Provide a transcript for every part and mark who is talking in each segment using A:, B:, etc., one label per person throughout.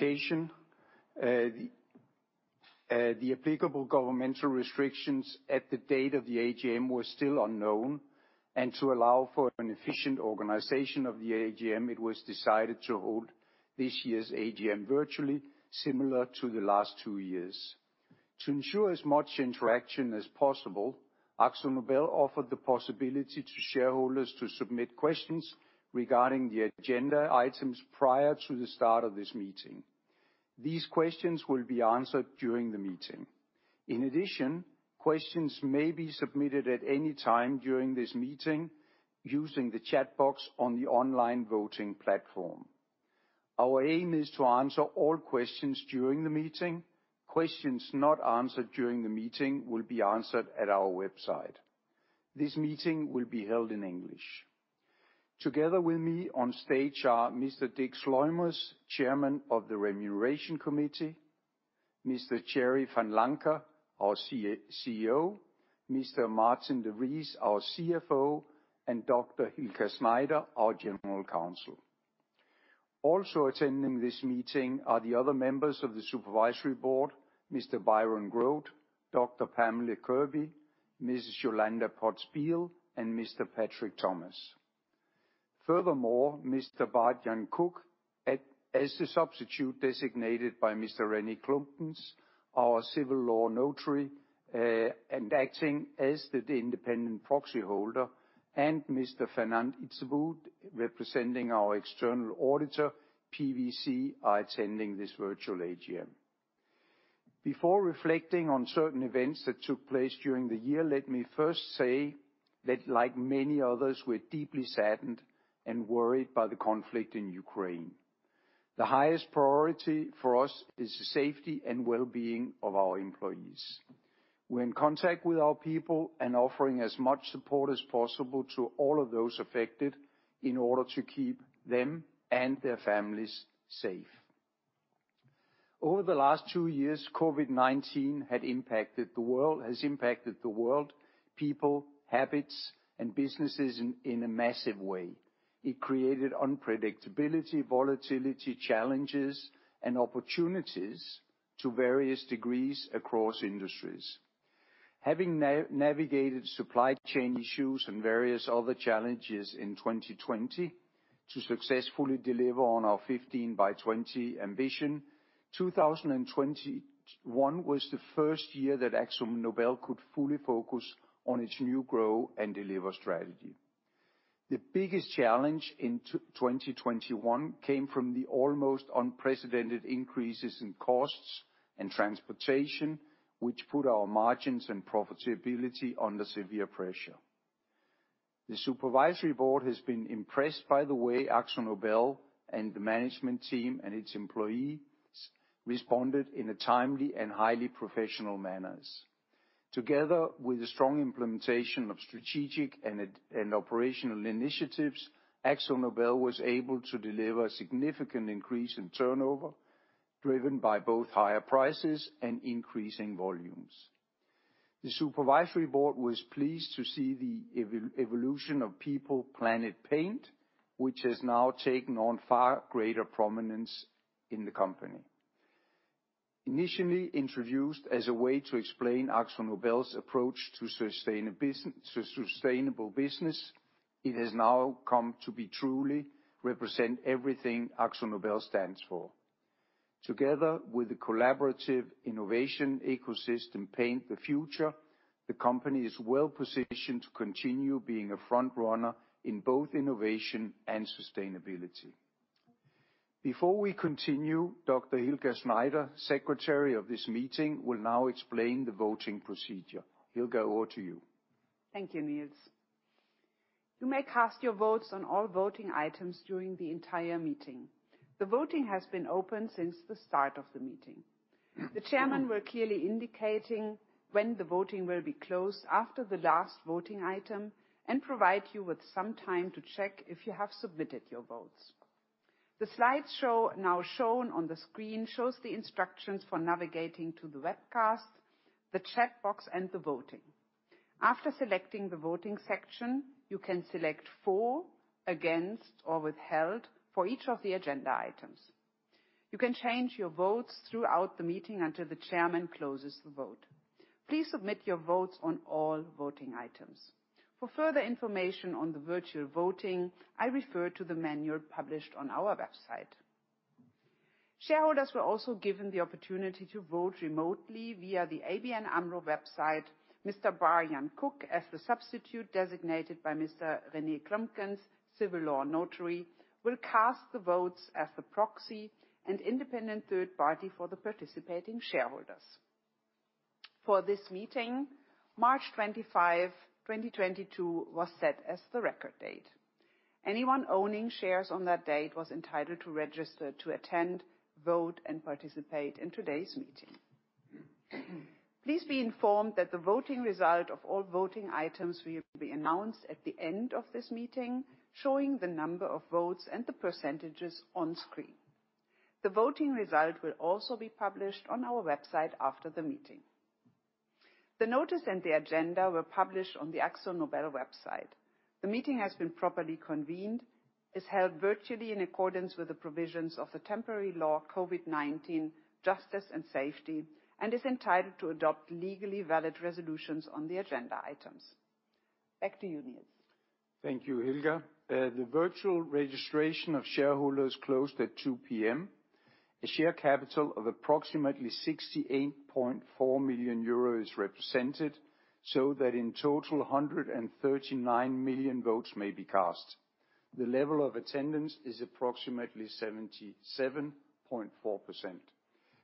A: The applicable governmental restrictions at the date of the AGM were still unknown. To allow for an efficient organization of the AGM, it was decided to hold this year's AGM virtually, similar to the last two years. To ensure as much interaction as possible, AkzoNobel offered the possibility to shareholders to submit questions regarding the agenda items prior to the start of this meeting. These questions will be answered during the meeting. In addition, questions may be submitted at any time during this meeting using the chat box on the online voting platform. Our aim is to answer all questions during the meeting. Questions not answered during the meeting will be answered at our website. This meeting will be held in English. Together with me on stage are Mr. Dick Sluimers, Chairman of the Remuneration Committee, Mr. Thierry Vanlancker, our CEO, Mr. Maarten de Vries, our CFO, and Dr. Hilka Schneider, our General Counsel. Also attending this meeting are the other members of the supervisory board, Mr. Byron Grote, Dr. Pamela Kirby, Mrs. Jolanda Poots-Bijl, and Mr. Patrick Thomas. Furthermore, Mr. Bart-Jan Kook, as the substitute designated by Mr. René Clumpkens, our civil law notary, and acting as the independent proxy holder, and Mr. Fernand Izeboud, representing our external auditor, PwC, are attending this virtual AGM. Before reflecting on certain events that took place during the year, let me first say that like many others, we're deeply saddened and worried by the conflict in Ukraine. The highest priority for us is the safety and wellbeing of our employees. We're in contact with our people and offering as much support as possible to all of those affected in order to keep them and their families safe. Over the last two years, COVID-19 has impacted the world, people, habits, and businesses in a massive way. It created unpredictability, volatility, challenges, and opportunities to various degrees across industries. Having navigated supply chain issues and various other challenges in 2020 to successfully deliver on our 15 by 20 ambition, 2021 was the first year that AkzoNobel could fully focus on its new Grow & Deliver strategy. The biggest challenge in 2021 came from the almost unprecedented increases in costs and transportation, which put our margins and profitability under severe pressure. The Supervisory Board has been impressed by the way AkzoNobel and the management team and its employees responded in a timely and highly professional manner. Together with a strong implementation of strategic and operational initiatives, AkzoNobel was able to deliver significant increase in turnover, driven by both higher prices and increasing volumes. The supervisory board was pleased to see the evolution of People. Planet. Paint., which has now taken on far greater prominence in the company. Initially introduced as a way to explain AkzoNobel's approach to sustainable business, it has now come to truly represent everything AkzoNobel stands for. Together with the collaborative innovation ecosystem Paint the Future, the company is well-positioned to continue being a front runner in both innovation and sustainability. Before we continue, Dr. Hilka Schneider, secretary of this meeting, will now explain the voting procedure. Hilka, over to you.
B: Thank you, Nils. You may cast your votes on all voting items during the entire meeting. The voting has been open since the start of the meeting. The chairman will clearly indicate when the voting will be closed after the last voting item, and provide you with some time to check if you have submitted your votes. The slide show, now shown on the screen, shows the instructions for navigating to the webcast, the chat box, and the voting. After selecting the voting section, you can select for, against, or withheld for each of the agenda items. You can change your votes throughout the meeting until the chairman closes the vote. Please submit your votes on all voting items. For further information on the virtual voting, I refer to the manual published on our website. Shareholders were also given the opportunity to vote remotely via the ABN AMRO website. Mr. Bart-Jan Kook, as the substitute designated by Mr. René Clumpkens, Civil Law Notary, will cast the votes as the proxy and independent third party for the participating shareholders. For this meeting, March 25, 2022 was set as the record date. Anyone owning shares on that date was entitled to register to attend, vote, and participate in today's meeting. Please be informed that the voting result of all voting items will be announced at the end of this meeting, showing the number of votes and the percentages on screen. The voting result will also be published on our website after the meeting. The notice and the agenda were published on the AkzoNobel website. The meeting has been properly convened, is held virtually in accordance with the provisions of the Temporary Act COVID-19 Justice and Security, and is entitled to adopt legally valid resolutions on the agenda items. Back to you, Nils.
A: Thank you, Hilka. The virtual registration of shareholders closed at 2:00 P.M. The share capital of approximately 68.4 million euros is represented, so that in total 139 million votes may be cast. The level of attendance is approximately 77.4%.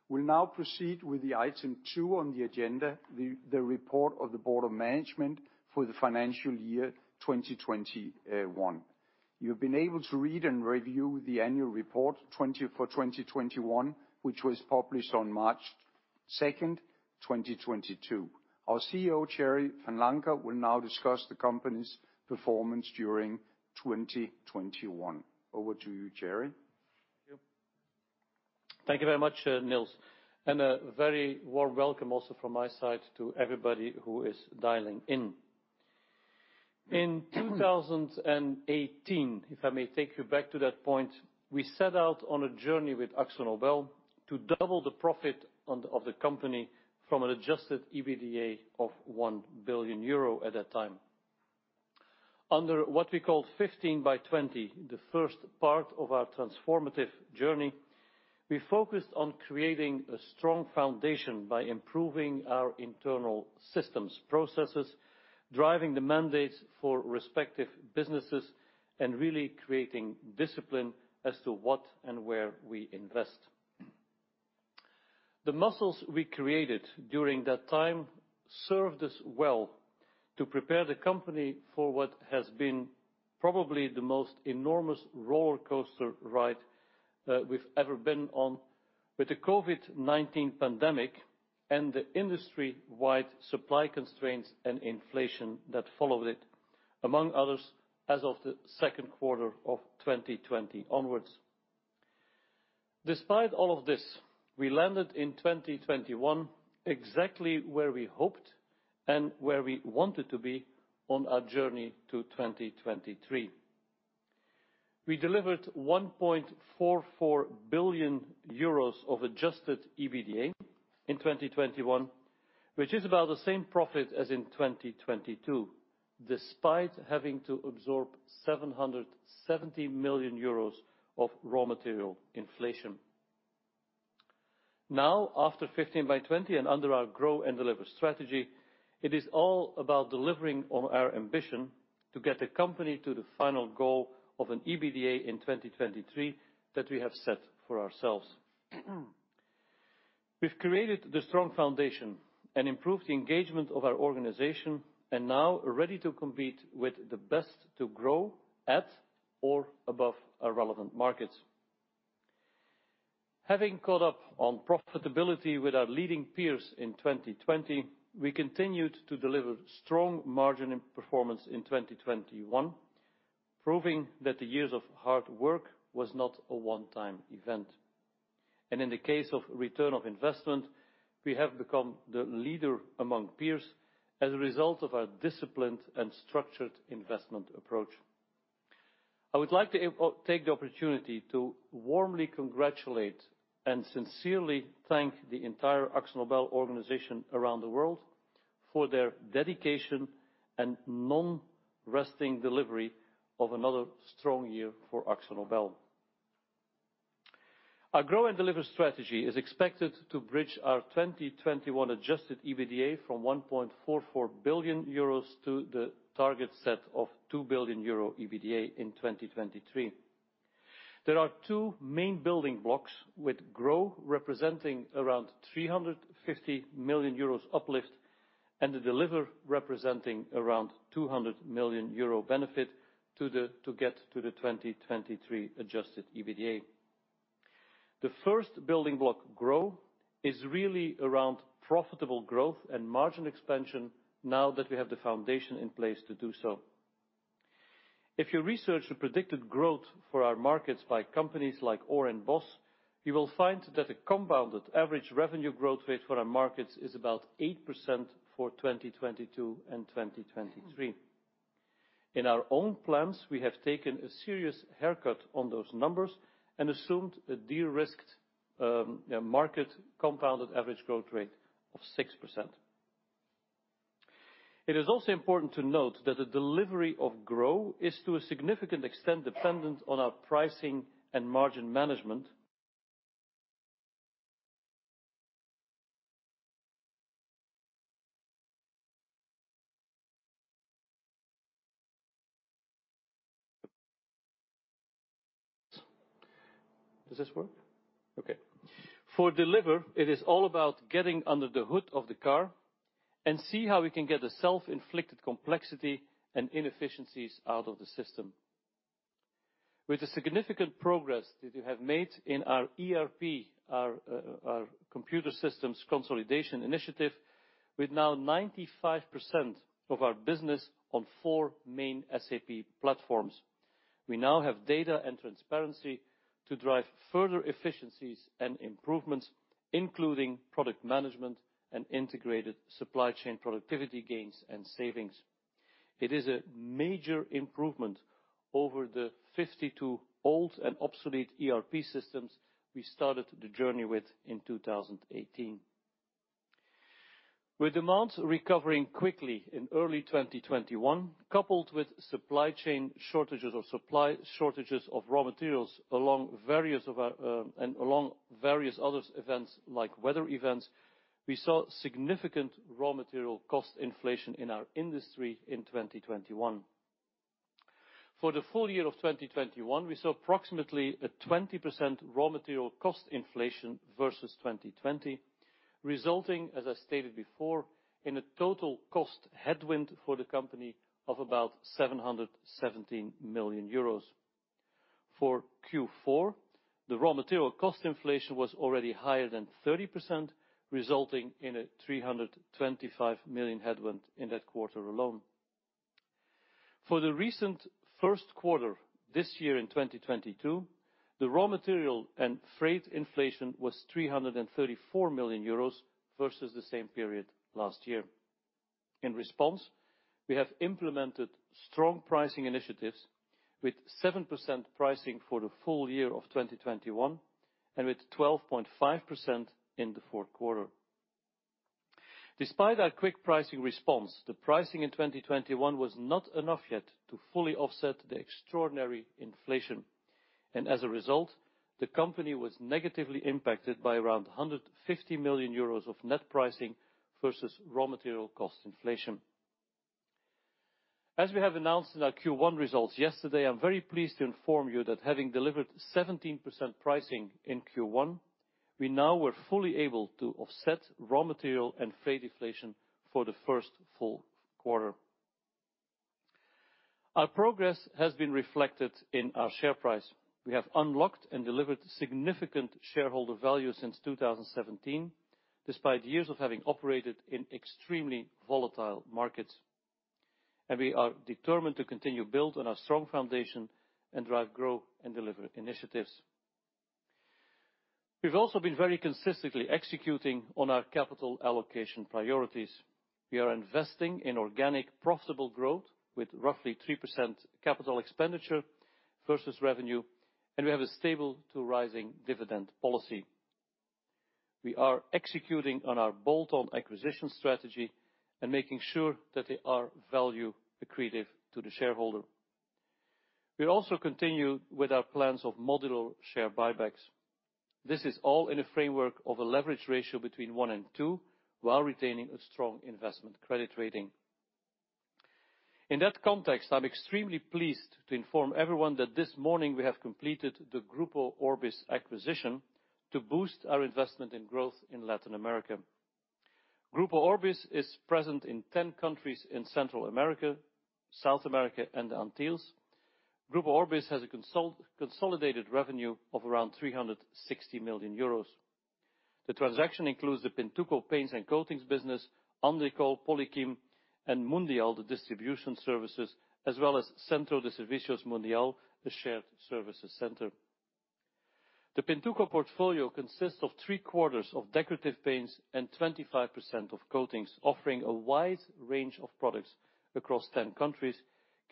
A: We'll now proceed with item two on the agenda, the report of the Board of Management for the financial year 2021. You've been able to read and review the annual report for 2021, which was published on March 2nd, 2022. Our CEO, Thierry Vanlancker, will now discuss the company's performance during 2021. Over to you, Thierry.
C: Thank you. Thank you very much, Nils, and a very warm welcome also from my side to everybody who is dialing in. In 2018, if I may take you back to that point, we set out on a journey with AkzoNobel to double the profit on, of the company from an Adjusted EBITDA of 1 billion euro at that time. Under what we called 15 by 20, the first part of our transformative journey, we focused on creating a strong foundation by improving our internal systems, processes, driving the margins for respective businesses, and really creating discipline as to what and where we invest. The muscles we created during that time served us well to prepare the company for what has been probably the most enormous roller coaster ride we've ever been on with the COVID-19 pandemic and the industry-wide supply constraints and inflation that followed it, among others, as of the second quarter of 2020 onwards. Despite all of this, we landed in 2021 exactly where we hoped and where we wanted to be on our journey to 2023. We delivered 1.44 billion euros of Adjusted EBITDA in 2021, which is about the same profit as in 2022, despite having to absorb 770 million euros of raw material inflation. Now, after 15 by 20 and under our Grow & Deliver strategy, it is all about delivering on our ambition to get the company to the final goal of an EBITDA in 2023 that we have set for ourselves. We've created the strong foundation and improved the engagement of our organization and now are ready to compete with the best to grow at or above our relevant markets. Having caught up on profitability with our leading peers in 2020, we continued to deliver strong margin and performance in 2021, proving that the years of hard work was not a one-time event. In the case of return on investment, we have become the leader among peers as a result of our disciplined and structured investment approach. I would like to take the opportunity to warmly congratulate and sincerely thank the entire AkzoNobel organization around the world for their dedication and non-resting delivery of another strong year for AkzoNobel. Our Grow & Deliver strategy is expected to bridge our 2021 Adjusted EBITDA from 1.44 billion euros to the target set of 2 billion euro EBITDA in 2023. There are two main building blocks, with Grow representing around 350 million euros uplift, and Deliver representing around 200 million euro benefit to get to the 2023 Adjusted EBITDA. The first building block, Grow, is really around profitable growth and margin expansion now that we have the foundation in place to do so. If you research the predicted growth for our markets by companies like Orr & Boss, you will find that the compounded average revenue growth rate for our markets is about 8% for 2022 and 2023. In our own plans, we have taken a serious haircut on those numbers and assumed a de-risked market compounded average growth rate of 6%. It is also important to note that the delivery of Grow is to a significant extent dependent on our pricing and margin management. Does this work? Okay. For Deliver, it is all about getting under the hood of the car and see how we can get the self-inflicted complexity and inefficiencies out of the system. With the significant progress that we have made in our ERP, our computer systems consolidation initiative, with now 95% of our business on four main SAP platforms. We now have data and transparency to drive further efficiencies and improvements, including product management and integrated supply chain productivity gains and savings. It is a major improvement over the 52 old and obsolete ERP systems we started the journey with in 2018. With demands recovering quickly in early 2021, coupled with supply chain shortages of supply and raw materials, along with various other events like weather events, we saw significant raw material cost inflation in our industry in 2021. For the full-year of 2021, we saw approximately a 20% raw material cost inflation versus 2020, resulting, as I stated before, in a total cost headwind for the company of about 717 million euros. For Q4, the raw material cost inflation was already higher than 30%, resulting in a 325 million headwind in that quarter alone. For the recent first quarter, this year in 2022, the raw material and freight inflation was 334 million euros versus the same period last year. In response, we have implemented strong pricing initiatives with 7% pricing for the full-year of 2021 and with 12.5% in the fourth quarter. Despite our quick pricing response, the pricing in 2021 was not enough yet to fully offset the extraordinary inflation. As a result, the company was negatively impacted by around 150 million euros of net pricing versus raw material cost inflation. As we have announced in our Q1 results yesterday, I'm very pleased to inform you that having delivered 17% pricing in Q1, we now were fully able to offset raw material and freight inflation for the first full quarter. Our progress has been reflected in our share price. We have unlocked and delivered significant shareholder value since 2017, despite years of having operated in extremely volatile markets. We are determined to continue build on our strong foundation and drive growth and deliver initiatives. We've also been very consistently executing on our capital allocation priorities. We are investing in organic, profitable growth with roughly 3% capital expenditure versus revenue, and we have a stable to rising dividend policy. We are executing on our bolt-on acquisition strategy and making sure that they are value accretive to the shareholder. We also continue with our plans of modular share buybacks. This is all in a framework of a leverage ratio between one and two, while retaining a strong investment credit rating. In that context, I'm extremely pleased to inform everyone that this morning we have completed the Grupo Orbis acquisition to boost our investment in growth in Latin America. Grupo Orbis is present in 10 countries in Central America, South America, and the Antilles. Grupo Orbis has a consolidated revenue of around 360 million euros. The transaction includes the Pintuco Paints and Coatings business, Andercol, Poliquim, and Mundial, the distribution services, as well as Centro de Servicios Mundial, the shared services center. The Pintuco portfolio consists of three-quarters of decorative paints and 25% of coatings, offering a wide range of products across 10 countries,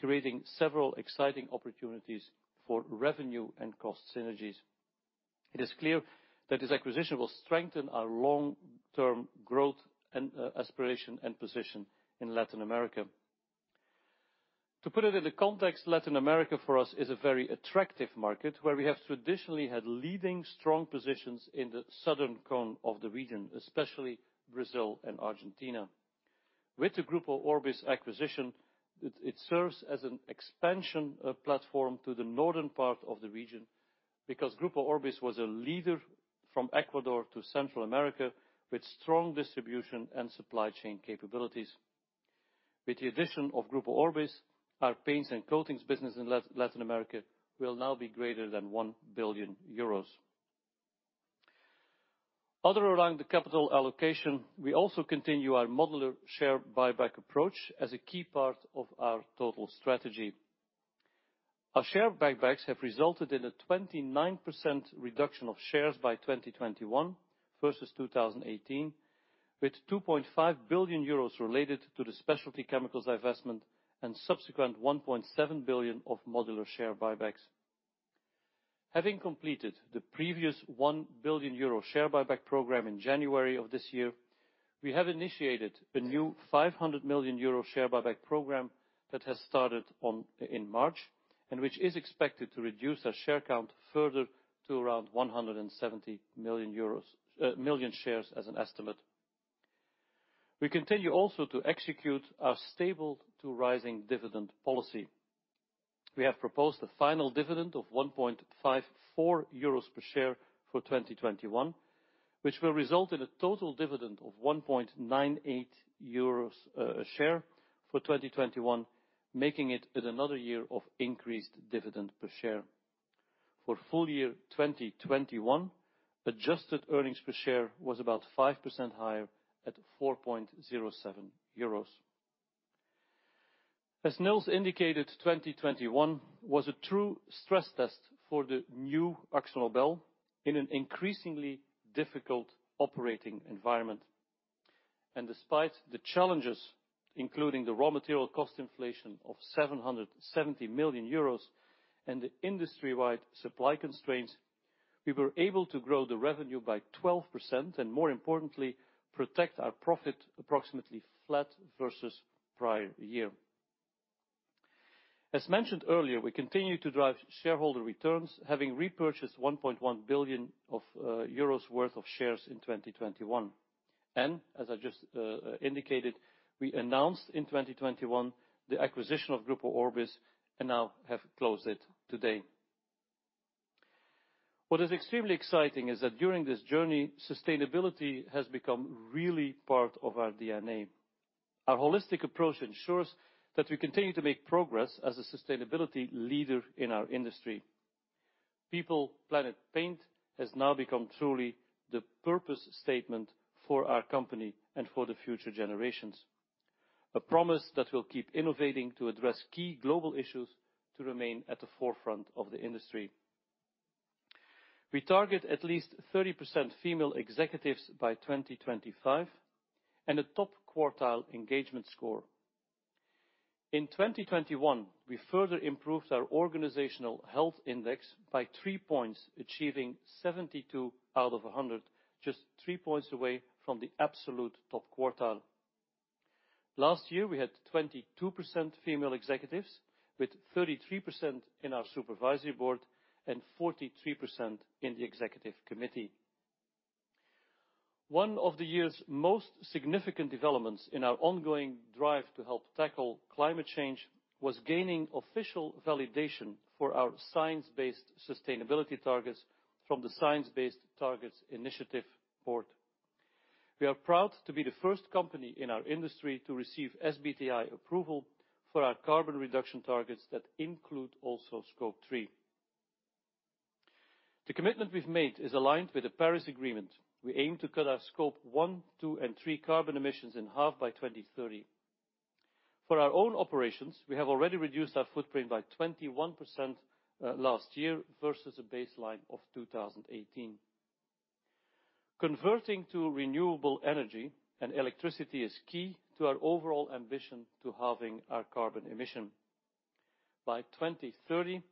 C: creating several exciting opportunities for revenue and cost synergies. It is clear that this acquisition will strengthen our long-term growth and aspiration and position in Latin America. To put it in the context, Latin America for us is a very attractive market where we have traditionally had leading strong positions in the southern cone of the region, especially Brazil and Argentina. With the Grupo Orbis acquisition, it serves as an expansion platform to the northern part of the region because Grupo Orbis was a leader from Ecuador to Central America with strong distribution and supply chain capabilities. With the addition of Grupo Orbis, our paints and coatings business in Latin America will now be greater than 1 billion euros. Other around the capital allocation, we continue our modular share buyback approach as a key part of our total strategy. Our share buybacks have resulted in a 29% reduction of shares by 2021 versus 2018, with 2.5 billion euros related to the specialty chemicals divestment and subsequent 1.7 billion of modular share buybacks. Having completed the previous 1 billion euro share buyback program in January of this year, we have initiated a new 500 million euro share buyback program that started in March, and which is expected to reduce our share count further to around 170 million shares as an estimate. We continue also to execute our stable to rising dividend policy. We have proposed a final dividend of 1.54 euros per share for 2021, which will result in a total dividend of 1.98 euros a share for 2021, making it another year of increased dividend per share. For full-year 2021, adjusted earnings per share was about 5% higher at 4.07 euros. As Nils indicated, 2021 was a true stress test for the new AkzoNobel in an increasingly difficult operating environment. Despite the challenges, including the raw material cost inflation of 770 million euros and the industry-wide supply constraints, we were able to grow the revenue by 12% and more importantly, protect our profit approximately flat versus prior year. As mentioned earlier, we continue to drive shareholder returns, having repurchased 1.1 billion euros worth of shares in 2021. As I just indicated, we announced in 2021 the acquisition of Grupo Orbis and now have closed it today. What is extremely exciting is that during this journey, sustainability has become really part of our DNA. Our holistic approach ensures that we continue to make progress as a sustainability leader in our industry. People. Planet. Paint., has now become truly the purpose statement for our company and for the future generations. A promise that we'll keep innovating to address key global issues to remain at the forefront of the industry. We target at least 30% female executives by 2025 and a top quartile engagement score. In 2021, we further improved our Organizational Health Index by three points, achieving 72 out of 100, just three points away from the absolute top quartile. Last year, we had 22% female executives, with 33% in our Supervisory Board and 43% in the Executive Committee. One of the year's most significant developments in our ongoing drive to help tackle climate change was gaining official validation for our science-based sustainability targets from the Science Based Targets initiative board. We are proud to be the first company in our industry to receive SBTI approval for our carbon reduction targets that include also Scope 3. The commitment we've made is aligned with the Paris Agreement. We aim to cut our Scope 1, 2, and 3 carbon emissions in half by 2030. For our own operations, we have already reduced our footprint by 21% last year versus a baseline of 2018. Converting to renewable energy and electricity is key to our overall ambition to halving our carbon emission. By 2030,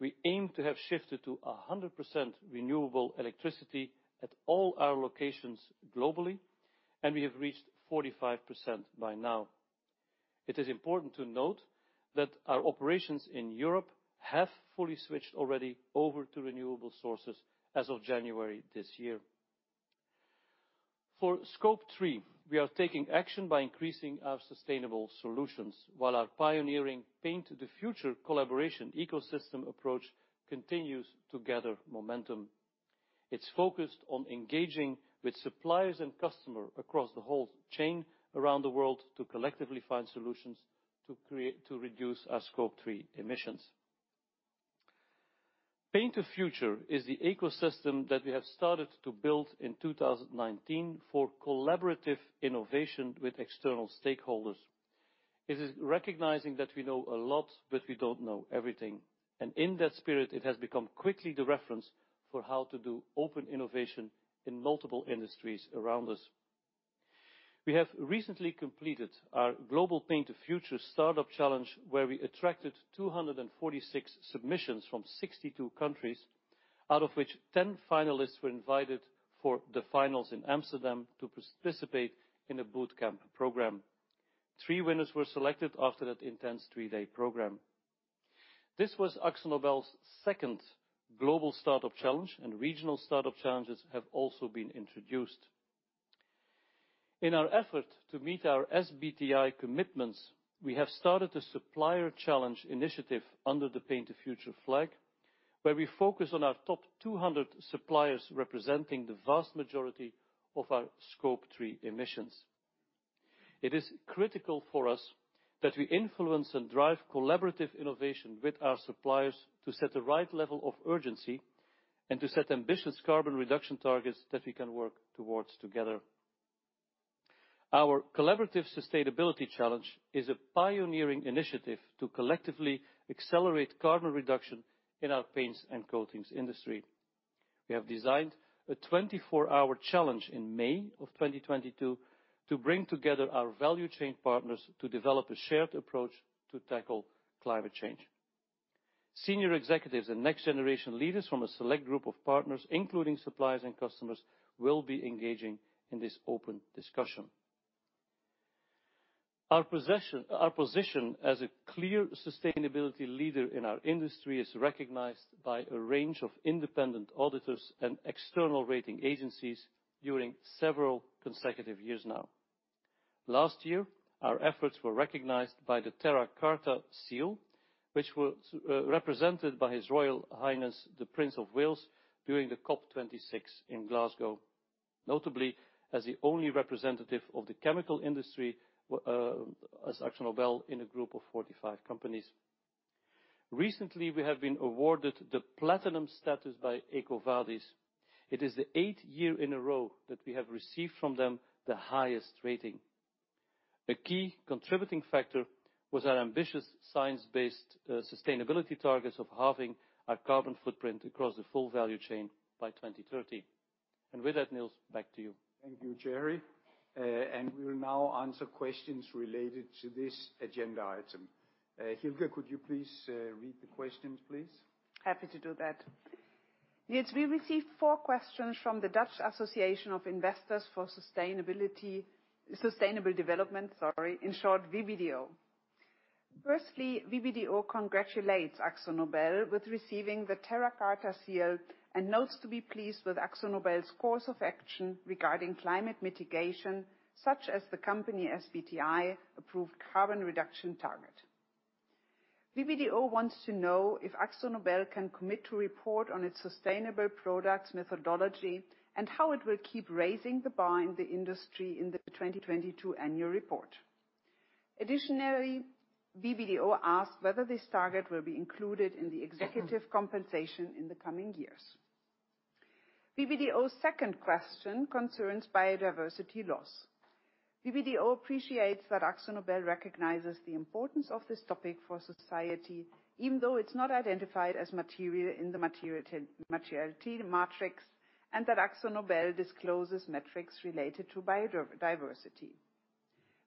C: we aim to have shifted to 100% renewable electricity at all our locations globally, and we have reached 45% by now. It is important to note that our operations in Europe have fully switched already over to renewable sources as of January this year. For Scope 3, we are taking action by increasing our sustainable solutions while our pioneering Paint the Future collaboration ecosystem approach continues to gather momentum. It's focused on engaging with suppliers and customers across the whole chain around the world to collectively find solutions to reduce our Scope 3 emissions. Paint the Future is the ecosystem that we have started to build in 2019 for collaborative innovation with external stakeholders. It is recognizing that we know a lot, but we don't know everything. In that spirit, it has become quickly the reference for how to do open innovation in multiple industries around us. We have recently completed our global Paint the Future Startup Challenge, where we attracted 246 submissions from 62 countries, out of which 10 finalists were invited for the finals in Amsterdam to participate in a boot camp program. Three winners were selected after that intense three-day program. This was AkzoNobel's second Global Startup Challenge, and regional startup challenges have also been introduced. In our effort to meet our SBTI commitments, we have started a supplier challenge initiative under the Paint the Future flag, where we focus on our top 200 suppliers representing the vast majority of our Scope 3 emissions. It is critical for us that we influence and drive collaborative innovation with our suppliers to set the right level of urgency and to set ambitious carbon reduction targets that we can work towards together. Our collaborative sustainability challenge is a pioneering initiative to collectively accelerate carbon reduction in our paints and coatings industry. We have designed a 24-hour challenge in May of 2022 to bring together our value chain partners to develop a shared approach to tackle climate change. Senior executives and next generation leaders from a select group of partners, including suppliers and customers, will be engaging in this open discussion. Our position as a clear sustainability leader in our industry is recognized by a range of independent auditors and external rating agencies during several consecutive years now. Last year, our efforts were recognized by the Terra Carta Seal, which was represented by His Royal Highness the Prince of Wales during the COP26 in Glasgow. Notably, as the only representative of the chemical industry, as AkzoNobel in a group of 45 companies. Recently, we have been awarded the platinum status by EcoVadis. It is the eighth year in a row that we have received from them the highest rating. A key contributing factor was our ambitious science-based sustainability targets of halving our carbon footprint across the full value chain by 2030. With that, Nils, back to you.
A: Thank you, Thierry. We will now answer questions related to this agenda item. Hilka, could you please read the questions, please?
B: Happy to do that. Yes, we received four questions from the Dutch Association of Investors for Sustainable Development, sorry. In short, VBDO. Firstly, VBDO congratulates AkzoNobel with receiving the Terra Carta Seal, and notes to be pleased with AkzoNobel's course of action regarding climate mitigation, such as the company SBTi approved carbon reduction target. VBDO wants to know if AkzoNobel can commit to report on its sustainable products methodology, and how it will keep raising the bar in the industry in the 2022 annual report. Additionally, VBDO asks whether this target will be included in the executive compensation in the coming years. VBDO's second question concerns biodiversity loss. VBDO appreciates that AkzoNobel recognizes the importance of this topic for society, even though it's not identified as material in the materiality matrix, and that AkzoNobel discloses metrics related to biodiversity.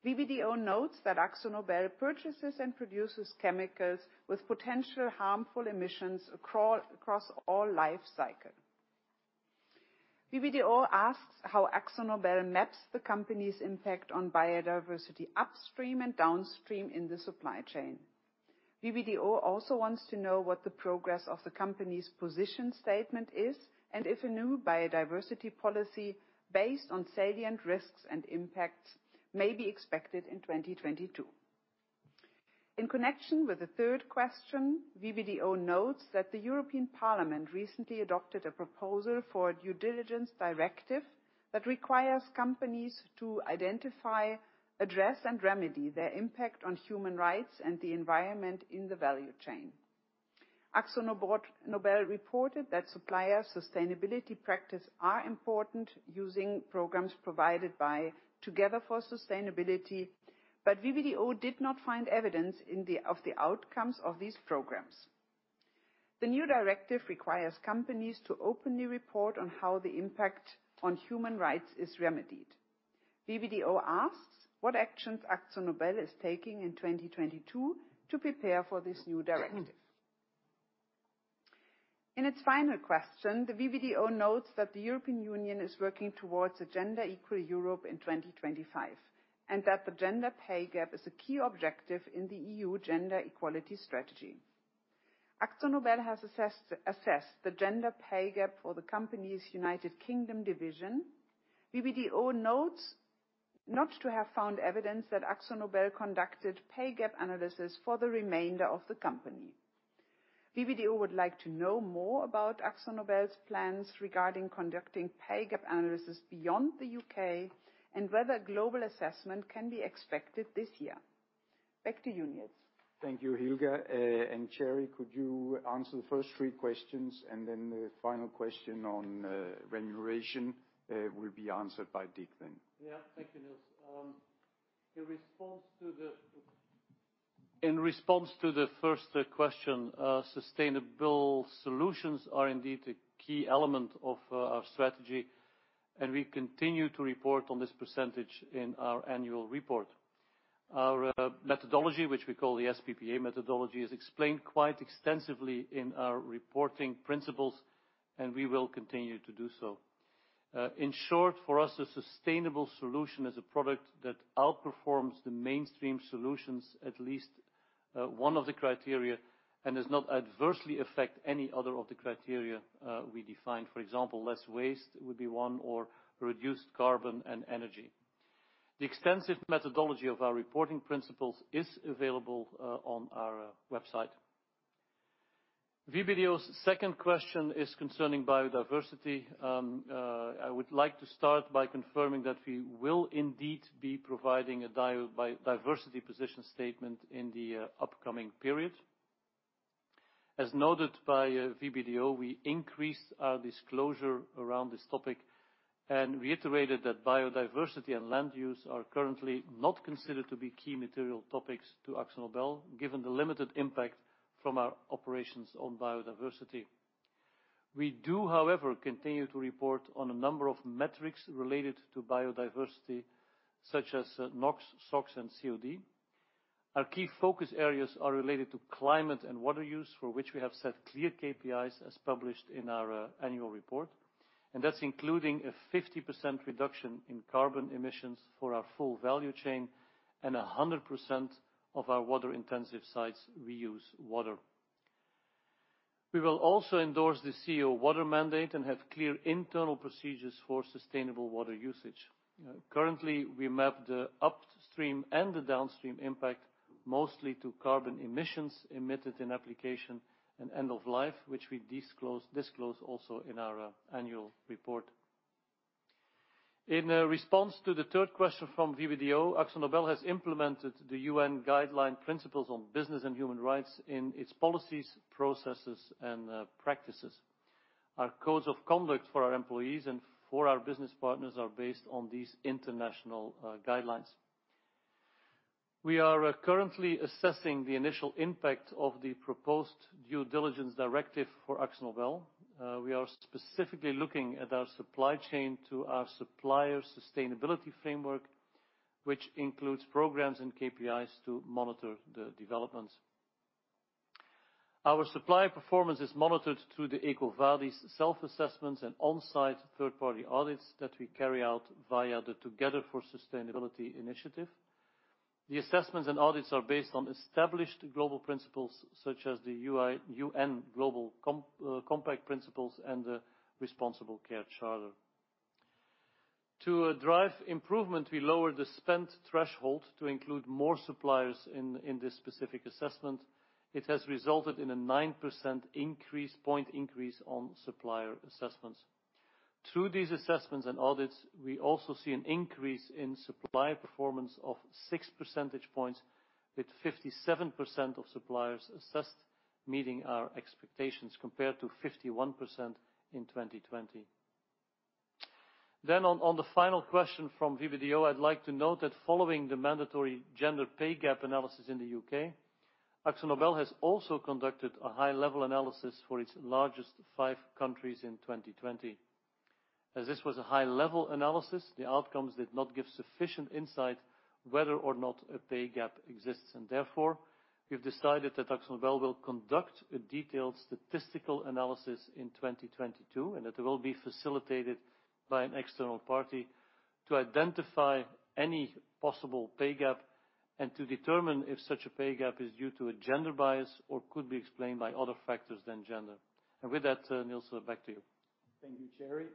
B: VBDO notes that AkzoNobel purchases and produces chemicals with potential harmful emissions across all life cycle. VBDO asks how AkzoNobel maps the company's impact on biodiversity upstream and downstream in the supply chain. VBDO also wants to know what the progress of the company's position statement is, and if a new biodiversity policy, based on salient risks and impacts, may be expected in 2022. In connection with the third question, VBDO notes that the European Parliament recently adopted a proposal for a due diligence directive that requires companies to identify, address, and remedy their impact on human rights and the environment in the value chain. AkzoNobel reported that supplier sustainability practice are important using programs provided by Together for Sustainability, but VBDO did not find evidence of the outcomes of these programs. The new directive requires companies to openly report on how the impact on human rights is remedied. VBDO asks what actions AkzoNobel is taking in 2022 to prepare for this new directive. In its final question, the VBDO notes that the European Union is working towards a gender-equal Europe in 2025, and that the gender pay gap is a key objective in the EU Gender Equality Strategy. AkzoNobel has assessed the gender pay gap for the company's U.K. division. VBDO notes not to have found evidence that AkzoNobel conducted pay gap analysis for the remainder of the company. VBDO would like to know more about AkzoNobel's plans regarding conducting pay gap analysis beyond the U.K., and whether global assessment can be expected this year. Back to you, Nils.
A: Thank you, Hilka. Thierry, could you answer the first three questions, and then the final question on remuneration will be answered by Dick then.
C: Yeah. Thank you, Nils. In response to the first question, sustainable solutions are indeed a key element of our strategy, and we continue to report on this percentage in our annual report. Our methodology, which we call the SPPA methodology, is explained quite extensively in our reporting principles, and we will continue to do so. In short, for us, a sustainable solution is a product that outperforms the mainstream solutions at least one of the criteria and does not adversely affect any other of the criteria we define. For example, less waste would be one, or reduced carbon and energy. The extensive methodology of our reporting principles is available on our website. VBDO's second question is concerning biodiversity. I would like to start by confirming that we will indeed be providing a biodiversity position statement in the upcoming period. As noted by VBDO, we increased our disclosure around this topic and reiterated that biodiversity and land use are currently not considered to be key material topics to AkzoNobel, given the limited impact from our operations on biodiversity. We do, however, continue to report on a number of metrics related to biodiversity, such as NOx, SOx, and COD. Our key focus areas are related to climate and water use, for which we have set clear KPIs as published in our annual report. That's including a 50% reduction in carbon emissions for our full value chain, and 100% of our water intensive sites reuse water. We will also endorse the CEO Water Mandate and have clear internal procedures for sustainable water usage. Currently, we map the upstream and the downstream impact. Mostly to carbon emissions emitted in application and end of life, which we disclose also in our annual report. In a response to the third question from VBDO, AkzoNobel has implemented the UN Guiding Principles on Business and Human Rights in its policies, processes, and practices. Our codes of conduct for our employees and for our business partners are based on these international guidelines. We are currently assessing the initial impact of the proposed Due Diligence Directive for AkzoNobel. We are specifically looking at our supply chain to our supplier sustainability framework, which includes programs and KPIs to monitor the developments. Our supplier performance is monitored through the EcoVadis self-assessments and on-site third-party audits that we carry out via the Together for Sustainability initiative. The assessments and audits are based on established global principles such as the UN Global Compact Principles and the Responsible Care charter. To drive improvement, we lowered the spent threshold to include more suppliers in this specific assessment. It has resulted in a 9 percentage point increase on supplier assessments. Through these assessments and audits, we also see an increase in supplier performance of 6 percentage points with 57% of suppliers assessed meeting our expectations, compared to 51% in 2020. On the final question from VBDO, I'd like to note that following the mandatory gender pay gap analysis in the U.K., AkzoNobel has also conducted a high-level analysis for its largest 5 countries in 2020. As this was a high-level analysis, the outcomes did not give sufficient insight whether or not a pay gap exists. Therefore, we've decided that AkzoNobel will conduct a detailed statistical analysis in 2022, and it will be facilitated by an external party to identify any possible pay gap and to determine if such a pay gap is due to a gender bias or could be explained by other factors than gender. With that, Nils, back to you.
A: Thank you, Thierry.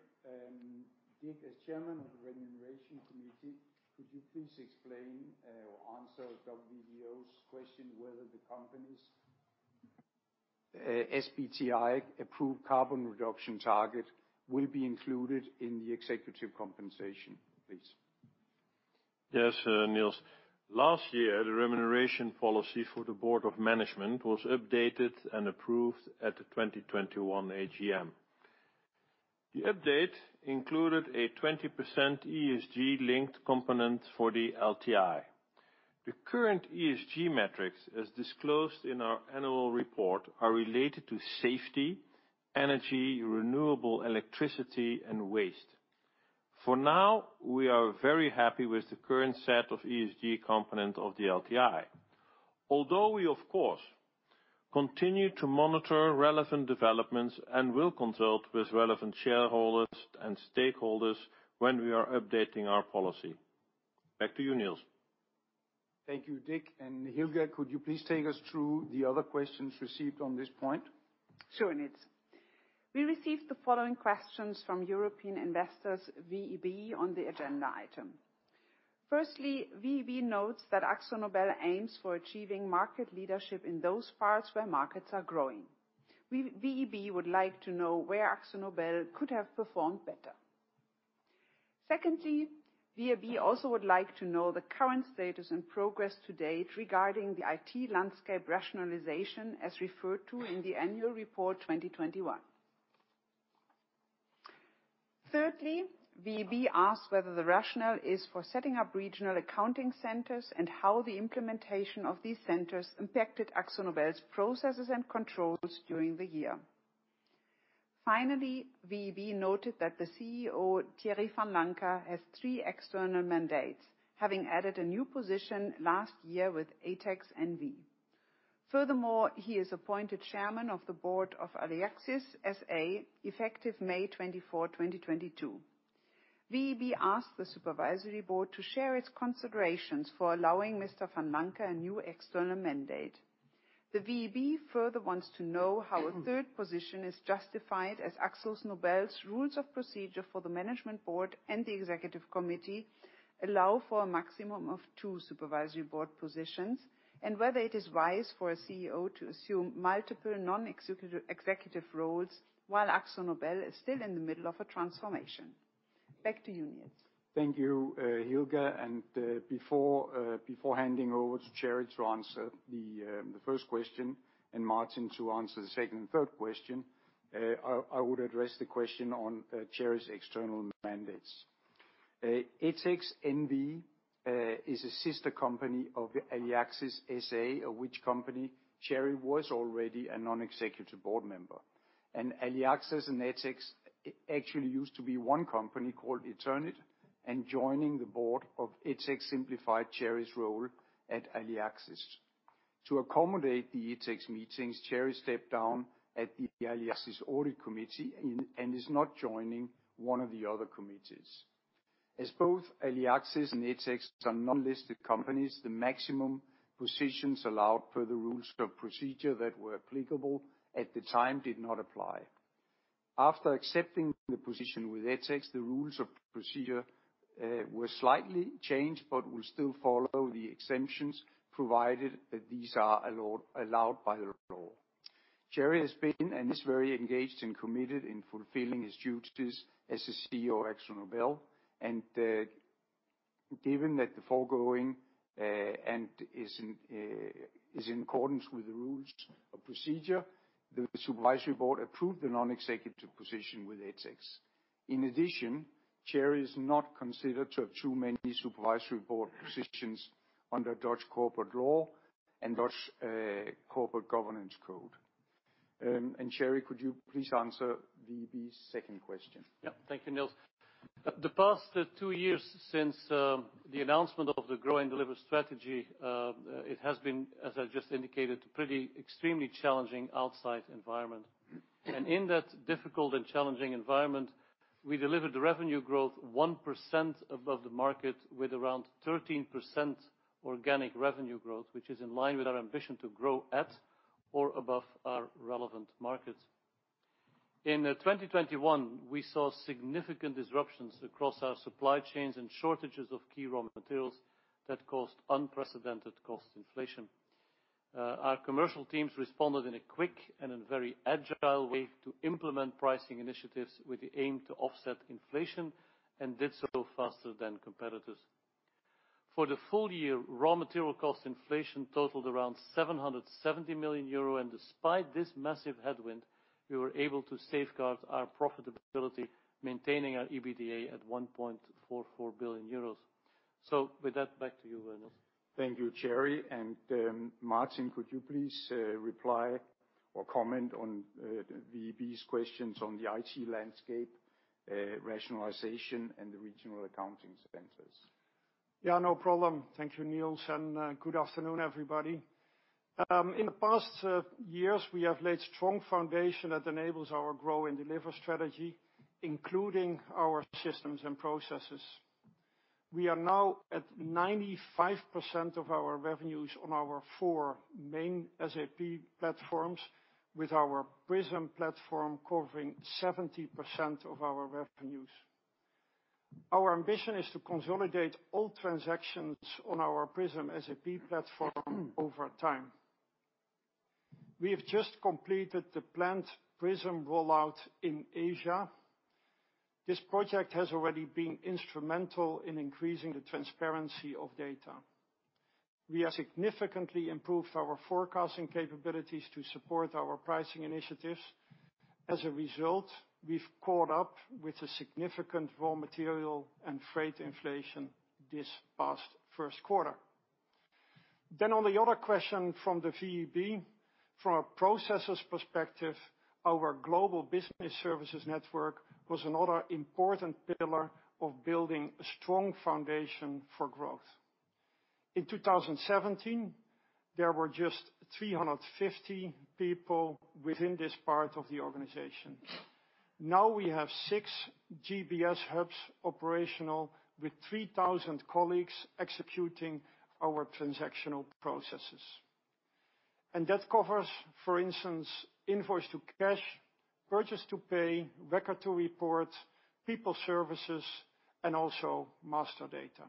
A: Dick, as Chairman of the Remuneration Committee, could you please explain or answer VBDO's question whether the company's SBTI approved carbon reduction target will be included in the executive compensation, please?
D: Yes, Nils. Last year, the remuneration policy for the Board of Management was updated and approved at the 2021 AGM. The update included a 20% ESG linked component for the LTI. The current ESG metrics, as disclosed in our annual report, are related to safety, energy, renewable electricity, and waste. For now, we are very happy with the current set of ESG component of the LTI. Although we, of course, continue to monitor relevant developments and will consult with relevant shareholders and stakeholders when we are updating our policy. Back to you, Nils.
A: Thank you, Dick. Hilka, could you please take us through the other questions received on this point?
B: Sure, Nils. We received the following questions from European Investors VEB on the agenda item. Firstly, VEB notes that AkzoNobel aims for achieving market leadership in those parts where markets are growing. We, VEB would like to know where AkzoNobel could have performed better. Secondly, VEB also would like to know the current status and progress to date regarding the IT landscape rationalization as referred to in the annual report 2021. Thirdly, VEB asked whether the rationale is for setting up regional accounting centers and how the implementation of these centers impacted AkzoNobel's processes and controls during the year. Finally, VEB noted that the CEO, Thierry Vanlancker, has three external mandates, having added a new position last year with Etex NV. Furthermore, he is appointed Chairman of the Board of Aliaxis SA, effective May 24, 2022. VEB asked the supervisory board to share its considerations for allowing Mr. Vanlancker has a new external mandate. The VEB further wants to know how a third position is justified as AkzoNobel's rules of procedure for the management board and the executive committee allow for a maximum of two supervisory board positions, and whether it is wise for a CEO to assume multiple non-executive roles while AkzoNobel is still in the middle of a transformation. Back to you, Nils.
A: Thank you, Hilka. Before handing over to Thierry to answer the first question and Maarten to answer the second and third question, I would address the question on Thierry's external mandates. Etex NV is a sister company of Aliaxis SA, of which company Thierry was already a non-executive board member. Aliaxis and Etex actually used to be one company called Eternit, and joining the board of Etex simplified Thierry's role at Aliaxis. To accommodate the Etex meetings, Thierry stepped down at the Aliaxis audit committee and is not joining one of the other committees. As both Aliaxis and Etex are non-listed companies, the maximum positions allowed per the rules of procedure that were applicable at the time did not apply. After accepting the position with Etex, the rules of procedure were slightly changed, but will still follow the exemptions provided that these are allowed by the law. Thierry has been and is very engaged and committed in fulfilling his duties as the CEO of AkzoNobel. Given that the foregoing and is in accordance with the rules of procedure, the Supervisory Board approved the non-executive position with Etex. In addition, Thierry is not considered to have too many supervisory board positions under Dutch corporate law and Dutch Corporate Governance Code. Thierry, could you please answer the VEB's second question?
C: Yeah. Thank you, Nils. The past two years since the announcement of the Grow & Deliver strategy, it has been, as I've just indicated, pretty extremely challenging outside environment. In that difficult and challenging environment, we delivered the revenue growth 1% above the market, with around 13% organic revenue growth, which is in line with our ambition to grow at or above our relevant markets. In 2021, we saw significant disruptions across our supply chains and shortages of key raw materials that caused unprecedented cost inflation. Our commercial teams responded in a quick and a very agile way to implement pricing initiatives with the aim to offset inflation, and did so faster than competitors. For the full-year, raw material cost inflation totaled around 770 million euro, and despite this massive headwind, we were able to safeguard our profitability, maintaining our EBITDA at 1.44 billion euros. With that, back to you, Nils.
A: Thank you, Thierry. Maarten, could you please reply or comment on the VEB's questions on the IT landscape, rationalization, and the regional accounting centers?
E: Yeah, no problem. Thank you, Nils, and good afternoon, everybody. In the past years, we have laid strong foundation that enables our Grow & Deliver strategy, including our systems and processes. We are now at 95% of our revenues on our four main SAP platforms, with our PRISM platform covering 70% of our revenues. Our ambition is to consolidate all transactions on our PRISM SAP platform over time. We have just completed the planned PRISM rollout in Asia. This project has already been instrumental in increasing the transparency of data. We have significantly improved our forecasting capabilities to support our pricing initiatives. As a result, we've caught up with the significant raw material and freight inflation this past first quarter. On the other question from the VEB, from a processes perspective, our global business services network was another important pillar of building a strong foundation for growth. In 2017, there were just 350 people within this part of the organization. Now we have six GBS hubs operational with 3,000 colleagues executing our transactional processes. That covers, for instance, invoice to cash, purchase to pay, record to report, people services, and also master data.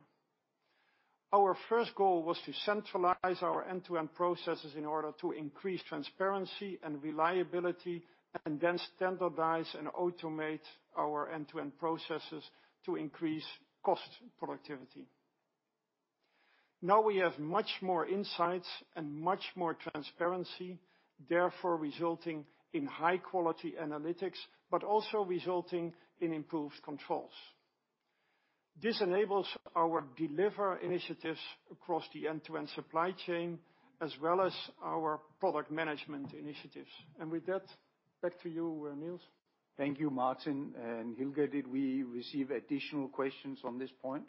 E: Our first goal was to centralize our end-to-end processes in order to increase transparency and reliability, and then standardize and automate our end-to-end processes to increase cost productivity. Now we have much more insights and much more transparency, therefore resulting in high-quality analytics, but also resulting in improved controls. This enables our deliver initiatives across the end-to-end supply chain, as well as our product management initiatives. With that, back to you, Nils.
A: Thank you, Maarten. Hilka, did we receive additional questions on this point?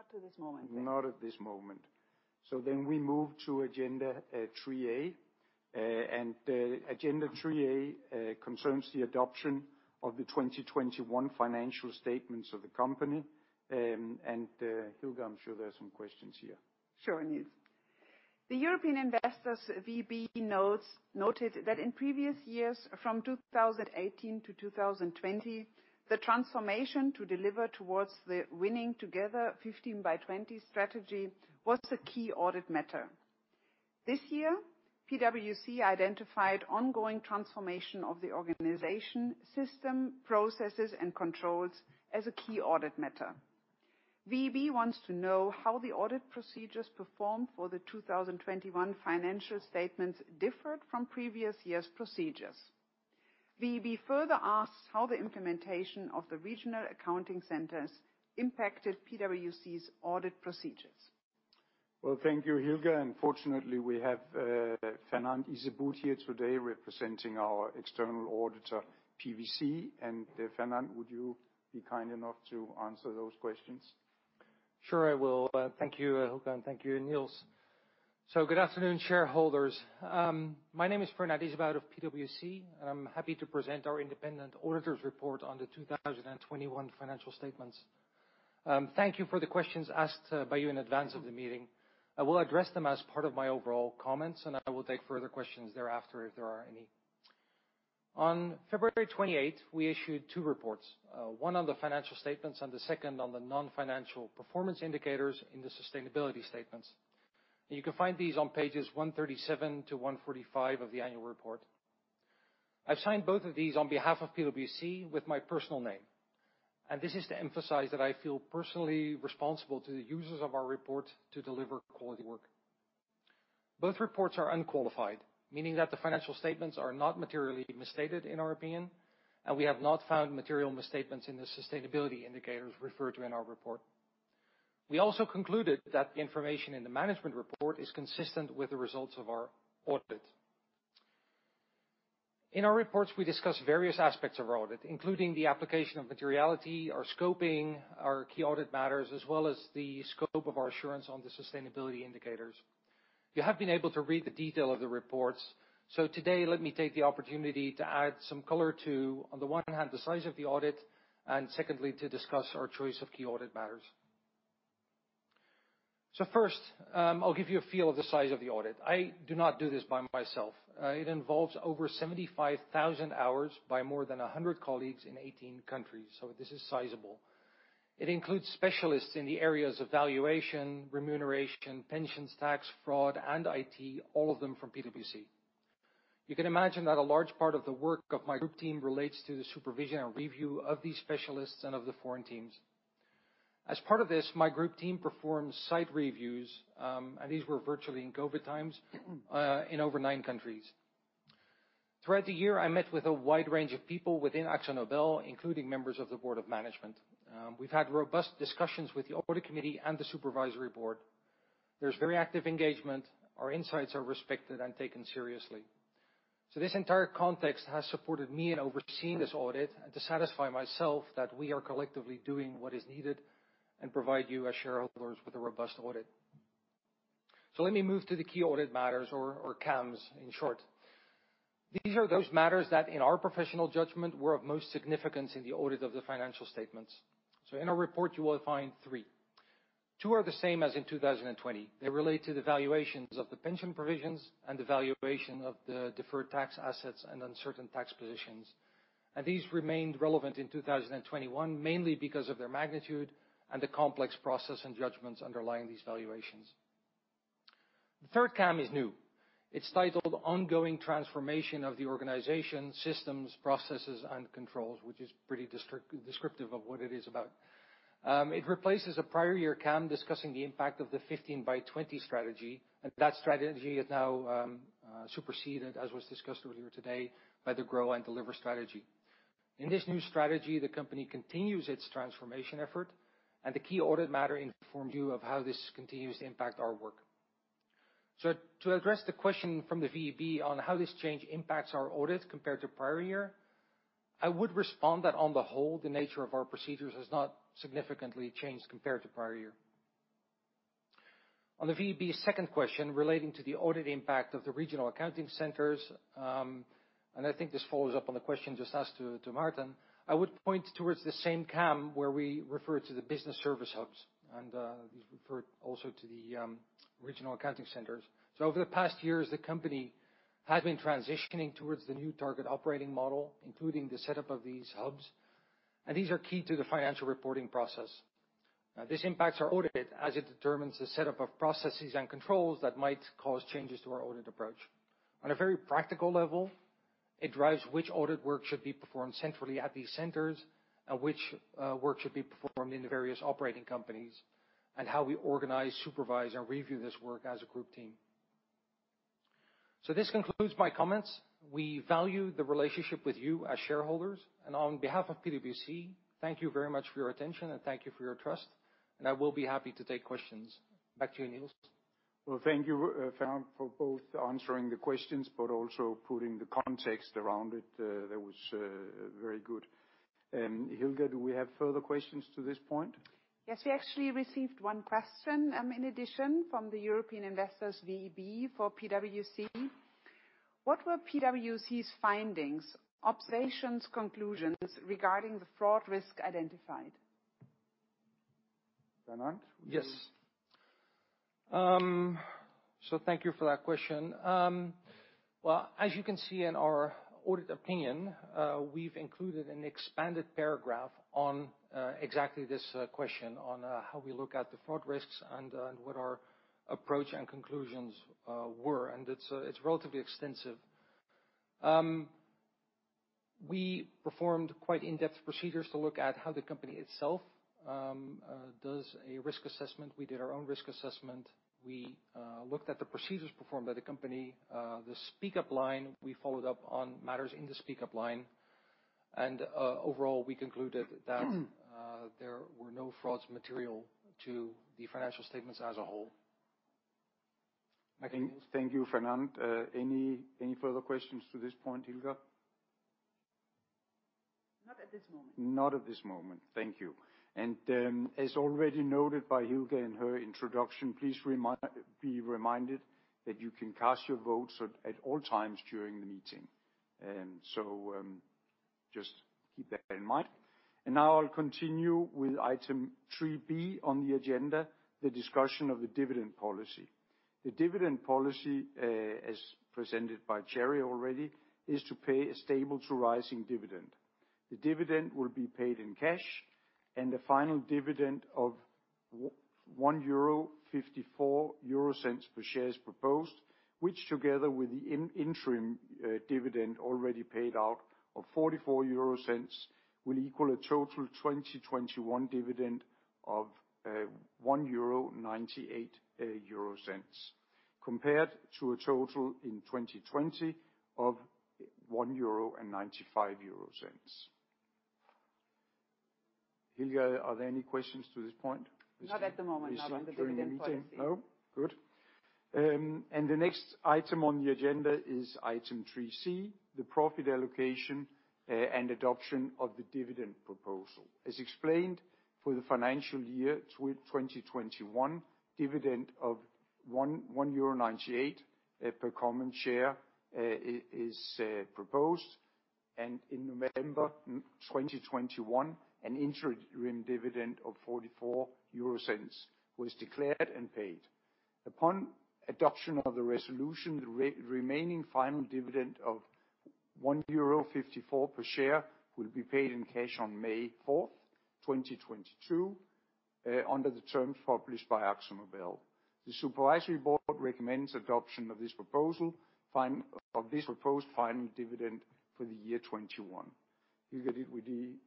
B: Not to this moment.
A: Not at this moment. We move to agenda 3A. Agenda 3A concerns the adoption of the 2021 financial statements of the company. Hilka, I'm sure there are some questions here.
B: Sure, Nils. The European Investors VEB notes that in previous years, from 2018 to 2020, the transformation to deliver towards the Winning together: 15 by 20 strategy was the key audit matter. This year, PwC identified ongoing transformation of the organization system, processes, and controls as a key audit matter. VEB wants to know how the audit procedures performed for the 2021 financial statements differed from previous years procedures. VEB further asks how the implementation of the regional accounting centers impacted PwC's audit procedures.
A: Well, thank you, Hilka. Fortunately, we have Fernand Izeboud here today representing our external auditor, PwC. Fernand, would you be kind enough to answer those questions?
F: Sure, I will. Thank you, Hilka, and thank you, Nils. Good afternoon, shareholders. My name is Fernand Izeboud of PwC, and I'm happy to present our independent auditor's report on the 2021 financial statements. Thank you for the questions asked by you in advance of the meeting. I will address them as part of my overall comments, and I will take further questions thereafter if there are any. On February 28, we issued two reports, one on the financial statements and the second on the non-financial performance indicators in the sustainability statements. You can find these on pages 137-145 of the annual report. I've signed both of these on behalf of PwC with my personal name, and this is to emphasize that I feel personally responsible to the users of our report to deliver quality work. Both reports are unqualified, meaning that the financial statements are not materially misstated in our opinion, and we have not found material misstatements in the sustainability indicators referred to in our report. We also concluded that the information in the management report is consistent with the results of our audit. In our reports, we discuss various aspects of our audit, including the application of materiality, our scoping, our key audit matters, as well as the scope of our assurance on the sustainability indicators. You have been able to read the detail of the reports. Today, let me take the opportunity to add some color to, on the one hand, the size of the audit, and secondly, to discuss our choice of key audit matters. First, I'll give you a feel of the size of the audit. I do not do this by myself. It involves over 75,000 hours by more than 100 colleagues in 18 countries, so this is sizable. It includes specialists in the areas of valuation, remuneration, pensions, tax, fraud, and IT, all of them from PwC. You can imagine that a large part of the work of my group team relates to the supervision and review of these specialists and of the foreign teams. As part of this, my group team performs site reviews, and these were virtually in COVID times, in over nine countries. Throughout the year, I met with a wide range of people within AkzoNobel, including members of the Board of Management. We've had robust discussions with the Audit Committee and the Supervisory Board. There's very active engagement. Our insights are respected and taken seriously. This entire context has supported me in overseeing this audit and to satisfy myself that we are collectively doing what is needed and provide you as shareholders with a robust audit. Let me move to the key audit matters or KAMs, in short. These are those matters that, in our professional judgment, were of most significance in the audit of the financial statements. In our report, you will find three. Two are the same as in 2020. They relate to the valuations of the pension provisions and the valuation of the deferred tax assets and uncertain tax positions. These remained relevant in 2021, mainly because of their magnitude and the complex process and judgments underlying these valuations. The third KAM is new. It's titled Ongoing Transformation of the Organization, Systems, Processes and Controls, which is pretty descriptive of what it is about. It replaces a prior year KAM discussing the impact of the 15 by 20 strategy, and that strategy is now superseded, as was discussed earlier today, by the Grow & Deliver strategy. In this new strategy, the company continues its transformation effort, and the key audit matter informs you of how this continues to impact our work. To address the question from the VEB on how this change impacts our audit compared to prior year, I would respond that on the whole, the nature of our procedures has not significantly changed compared to prior year. On the VEB's second question relating to the audit impact of the regional accounting centers, and I think this follows up on the question just asked to Maarten, I would point towards the same KAM where we refer to the business service hubs and these refer also to the regional accounting centers. Over the past years, the company had been transitioning towards the new target operating model, including the setup of these hubs, and these are key to the financial reporting process. Now, this impacts our audit as it determines the setup of processes and controls that might cause changes to our audit approach. On a very practical level, it drives which audit work should be performed centrally at these centers and which work should be performed in the various operating companies, and how we organize, supervise, and review this work as a group team. This concludes my comments. We value the relationship with you as shareholders, and on behalf of PwC, thank you very much for your attention and thank you for your trust, and I will be happy to take questions. Back to you, Nils.
A: Well, thank you, Fernand, for both answering the questions but also putting the context around it. That was very good. Hilka, do we have further questions to this point?
B: Yes, we actually received one question, in addition from the European Investors VEB for PwC. What were PwC's findings, observations, conclusions regarding the fraud risk identified?
A: Fernand?
F: Yes. Thank you for that question. Well, as you can see in our audit opinion, we've included an expanded paragraph on exactly this question, on how we look at the fraud risks and what our approach and conclusions were, and it's relatively extensive. We performed quite in-depth procedures to look at how the company itself does a risk assessment. We did our own risk assessment. We looked at the procedures performed by the company, the speak-up line. We followed up on matters in the speak-up line, and overall, we concluded that there were no frauds material to the financial statements as a whole.
A: Thank you, Fernand. Any further questions to this point, Hilka?
B: Not at this moment.
A: Not at this moment. Thank you. As already noted by Hilka in her introduction, please be reminded that you can cast your votes at all times during the meeting. Just keep that in mind. Now I'll continue with item 3B on the agenda, the discussion of the dividend policy. The dividend policy, as presented by Thierry already, is to pay a stable to rising dividend. The dividend will be paid in cash, and the final dividend of 1.54 euro per share is proposed, which together with the interim dividend already paid out of 0.44, will equal a total 2021 dividend of 1.98 euro, compared to a total in 2020 of 1.95 euro. Hilka, are there any questions to this point? Not at the moment, not on the dividend policy. No? Good. And the next item on the agenda is item 3C, the profit allocation and adoption of the dividend proposal. As explained for the financial year 2021, dividend of 1.98 euro per common share is proposed. And in November 2021, an interim dividend of 0.44 was declared and paid. Upon adoption of the resolution, the remaining final dividend of 1.54 euro per share will be paid in cash on May 4, 2022, under the terms published by AkzoNobel. The supervisory board recommends adoption of this proposal of this proposed final dividend for the year 2021. Hilka, did we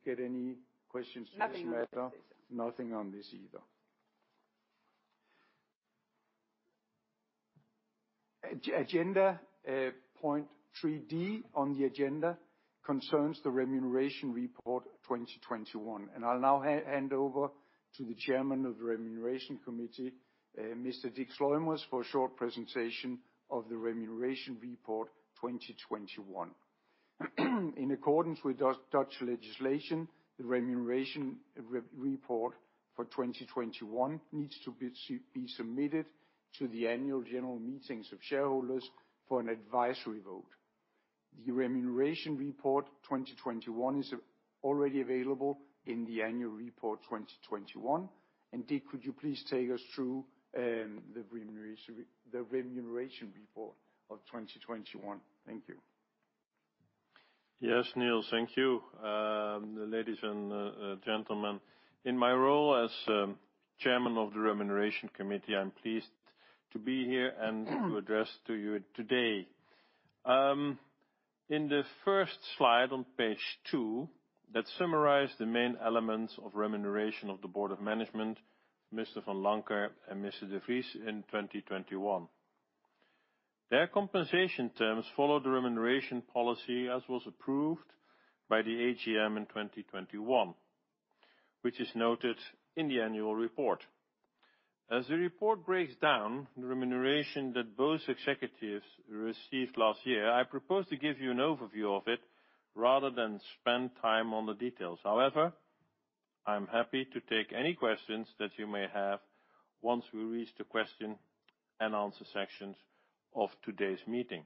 A: get any questions to this matter? Nothing on this, Nils. Nothing on this either. Agenda point 3D on the agenda concerns the remuneration report 2021. I'll now hand over to the Chairman of the Remuneration Committee, Mr. Dick Sluimers, for a short presentation of the remuneration report 2021. In accordance with Dutch legislation, the remuneration report for 2021 needs to be submitted to the annual general meetings of shareholders for an advisory vote. The remuneration report 2021 is already available in the annual report 2021. Dick, could you please take us through the remuneration report of 2021? Thank you.
D: Yes, Nils. Thank you. Ladies and gentlemen. In my role as chairman of the Remuneration Committee, I'm pleased to be here and to address to you today. In the first slide on page 2 that summarize the main elements of remuneration of the Board of Management, Mr. Vanlancker and Mr. de Vries in 2021. Their compensation terms follow the remuneration policy as was approved by the AGM in 2021, which is noted in the annual report. As the report breaks down the remuneration that both executives received last year, I propose to give you an overview of it rather than spend time on the details. However, I'm happy to take any questions that you may have once we reach the question-and-answer sections of today's meeting.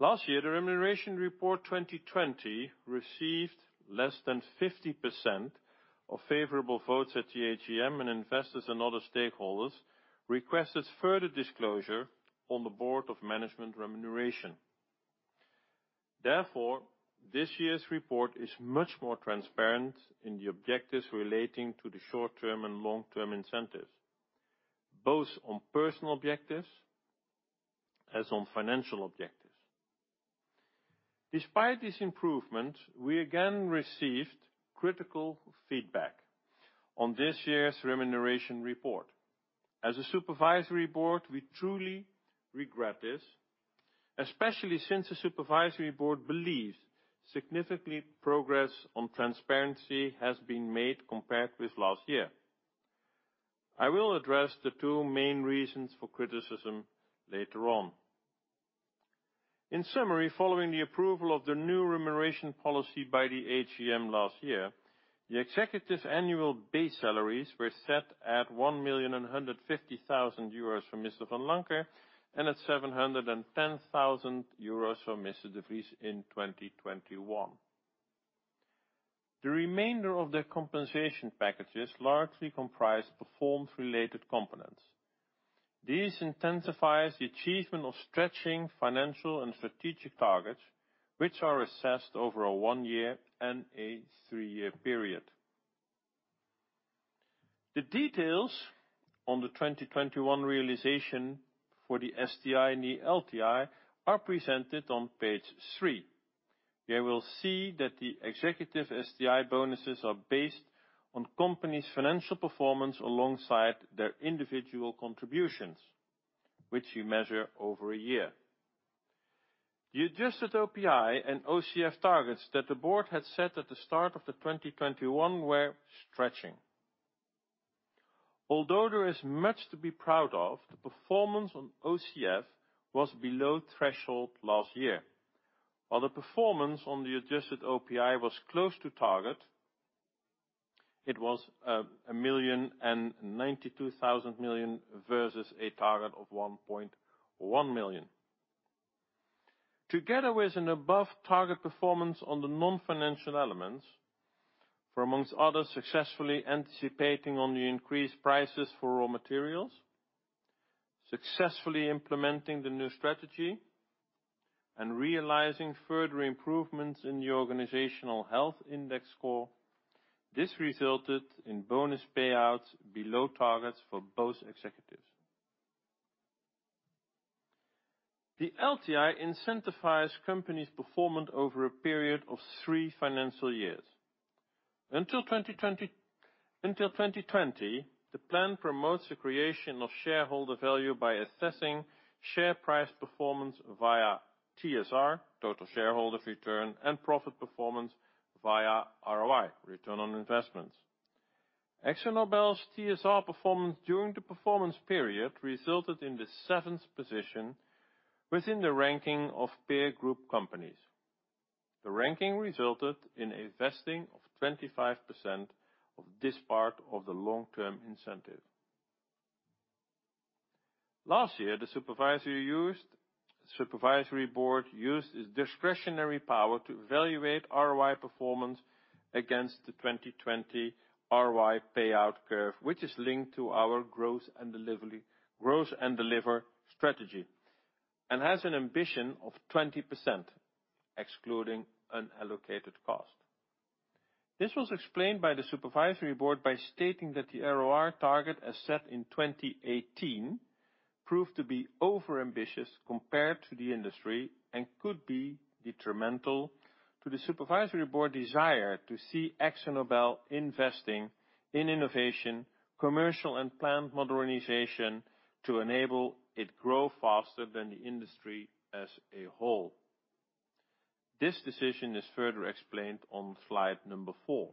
D: Last year, the remuneration report 2020 received less than 50% of favorable votes at the AGM, and investors and other stakeholders requested further disclosure on the Board of Management remuneration. Therefore, this year's report is much more transparent in the objectives relating to the short-term and long-term incentives, both on personal objectives as on financial objectives. Despite this improvement, we again received critical feedback on this year's remuneration report. As a Supervisory Board, we truly regret this, especially since the Supervisory Board believes significant progress on transparency has been made compared with last year. I will address the two main reasons for criticism later on. In summary, following the approval of the new remuneration policy by the AGM last year, the executives' annual base salaries were set at 1,150,000 euros from Mr. Vanlancker and at 710,000 euros from Mr. de Vries in 2021. The remainder of their compensation packages largely comprised performance-related components. This incentivizes the achievement of stretching financial and strategic targets, which are assessed over a one-year and a three-year period. The details on the 2021 realization for the STI and the LTI are presented on page 3. You will see that the executive STI bonuses are based on company's financial performance alongside their individual contributions, which we measure over a year. The Adjusted OPI and OCF targets that the board had set at the start of the 2021 were stretching. Although there is much to be proud of, the performance on OCF was below threshold last year. While the performance on the Adjusted OPI was close to target. It was 1,092 million versus a target of 1.1 billion. Together with an above target performance on the non-financial elements, for among others, successfully anticipating on the increased prices for raw materials, successfully implementing the new strategy, and realizing further improvements in the Organizational Health Index score, this resulted in bonus payouts below targets for both executives. The LTI incentivizes company's performance over a period of three financial years. Until 2020, the plan promotes the creation of shareholder value by assessing share price performance via TSR, Total Shareholder Return, and profit performance via ROI, Return on Investment. AkzoNobel's TSR performance during the performance period resulted in the seventh position within the ranking of peer group companies. The ranking resulted in a vesting of 25% of this part of the long-term incentive. Last year, the Supervisory Board used its discretionary power to evaluate ROI performance against the 2020 ROI payout curve, which is linked to our Grow & Deliver strategy, and has an ambition of 20% excluding unallocated cost. This was explained by the Supervisory Board by stating that the ROI target, as set in 2018, proved to be overambitious compared to the industry, and could be detrimental to the Supervisory Board desire to see AkzoNobel investing in innovation, commercial, and plant modernization to enable it grow faster than the industry as a whole. This decision is further explained on Slide 4.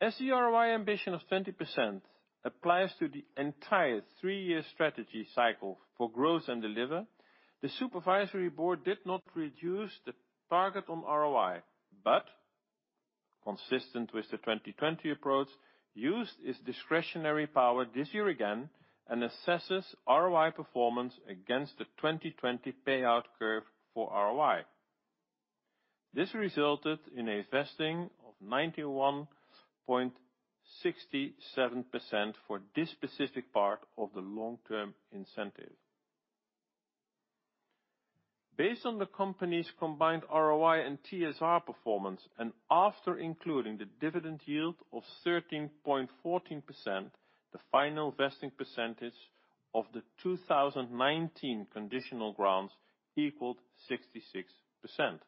D: As the ROI ambition of 20% applies to the entire three-year strategy cycle for Grow & Deliver, the Supervisory Board did not reduce the target on ROI, but consistent with the 2020 approach, used its discretionary power this year again and assesses ROI performance against the 2020 payout curve for ROI. This resulted in a vesting of 91.67% for this specific part of the long-term incentive. Based on the company's combined ROI and TSR performance, and after including the dividend yield of 13.14%, the final vesting percentage of the 2019 conditional grants equaled 66%.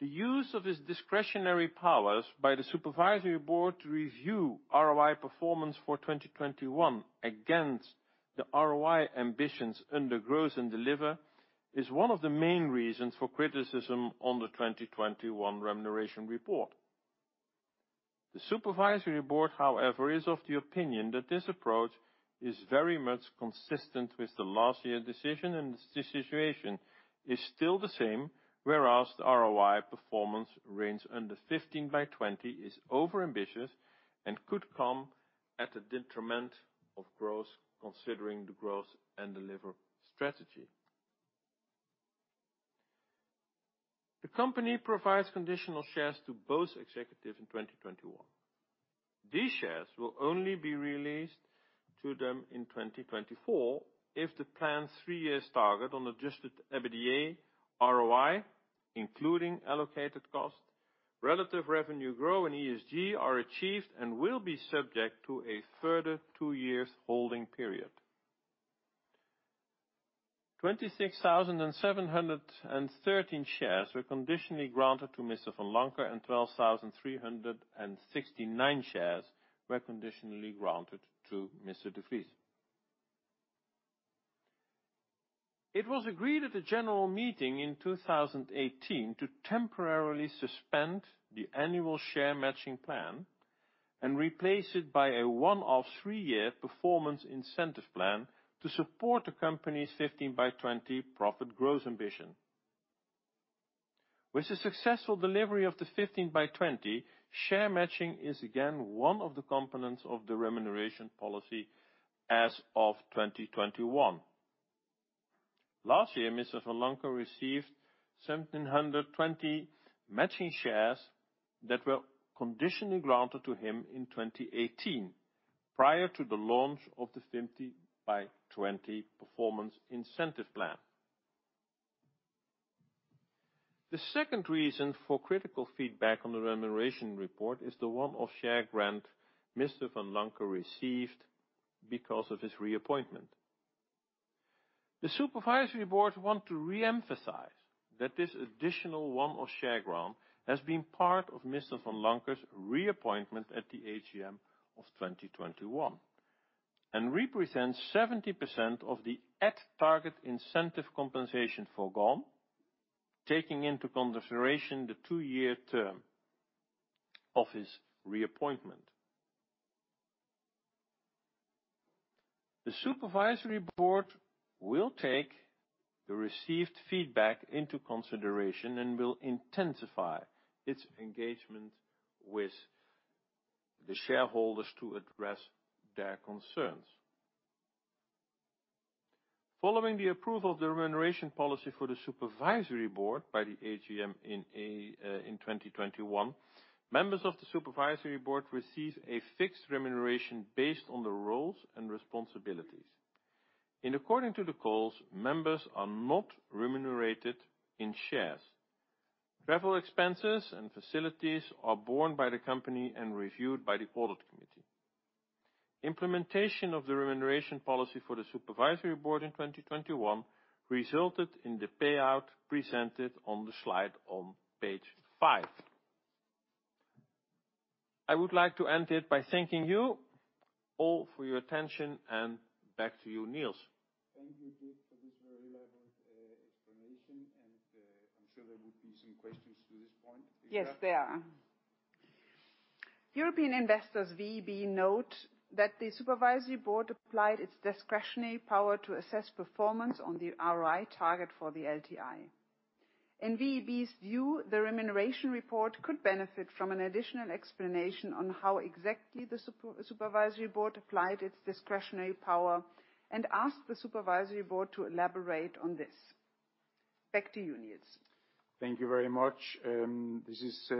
D: The use of these discretionary powers by the Supervisory Board to review ROI performance for 2021 against the ROI ambitions under Grow & Deliver is one of the main reasons for criticism on the 2021 remuneration report. The supervisory board, however, is of the opinion that this approach is very much consistent with the last year decision, and the situation is still the same, whereas the ROI performance range under 15 by 20 is overambitious and could come at the detriment of growth considering the Grow & Deliver strategy. The company provides conditional shares to both executives in 2021. These shares will only be released to them in 2024 if the planned three-year target on Adjusted EBITDA, ROI, including allocated cost, relative revenue growth, and ESG are achieved and will be subject to a further two-year holding period. 26,713 shares were conditionally granted to Mr. Vanlancker, and 12,369 shares were conditionally granted to Mr. de Vries. It was agreed at the general meeting in 2018 to temporarily suspend the annual share matching plan and replace it by a one-off three-year performance incentive plan to support the company's 15 by 20 profit growth ambition. With the successful delivery of the 15 by 20, share matching is again one of the components of the remuneration policy as of 2021. Last year, Mr. Vanlancker received 1,720 matching shares that were conditionally granted to him in 2018 prior to the launch of the 15 by 20 performance incentive plan. The second reason for critical feedback on the remuneration report is the one-off share grant Mr. Vanlancker received because of his reappointment. The Supervisory Board want to re-emphasize that this additional one-off share grant has been part of Mr. Vanlancker's reappointment at the AGM of 2021, and represents 70% of the at target incentive compensation forgone, taking into consideration the two-year term of his reappointment. The Supervisory Board will take the received feedback into consideration and will intensify its engagement with the shareholders to address their concerns. Following the approval of the remuneration policy for the Supervisory Board by the AGM in 2021, members of the Supervisory Board receive a fixed remuneration based on the roles and responsibilities. In accordance with the rules, members are not remunerated in shares. Travel expenses and facilities are borne by the company and reviewed by the audit committee. Implementation of the remuneration policy for the Supervisory Board in 2021 resulted in the payout presented on the slide on page 5. I would like to end it by thanking you all for your attention and back to you, Nils.
A: Thank you, Dick, for this very elaborate explanation. I'm sure there will be some questions to this point.
B: Yes, there are. European Investors VEB note that the supervisory board applied its discretionary power to assess performance on the ROI target for the LTI. In VEB's view, the remuneration report could benefit from an additional explanation on how exactly the supervisory board applied its discretionary power and ask the supervisory board to elaborate on this. Back to you, Nils.
A: Thank you very much. This is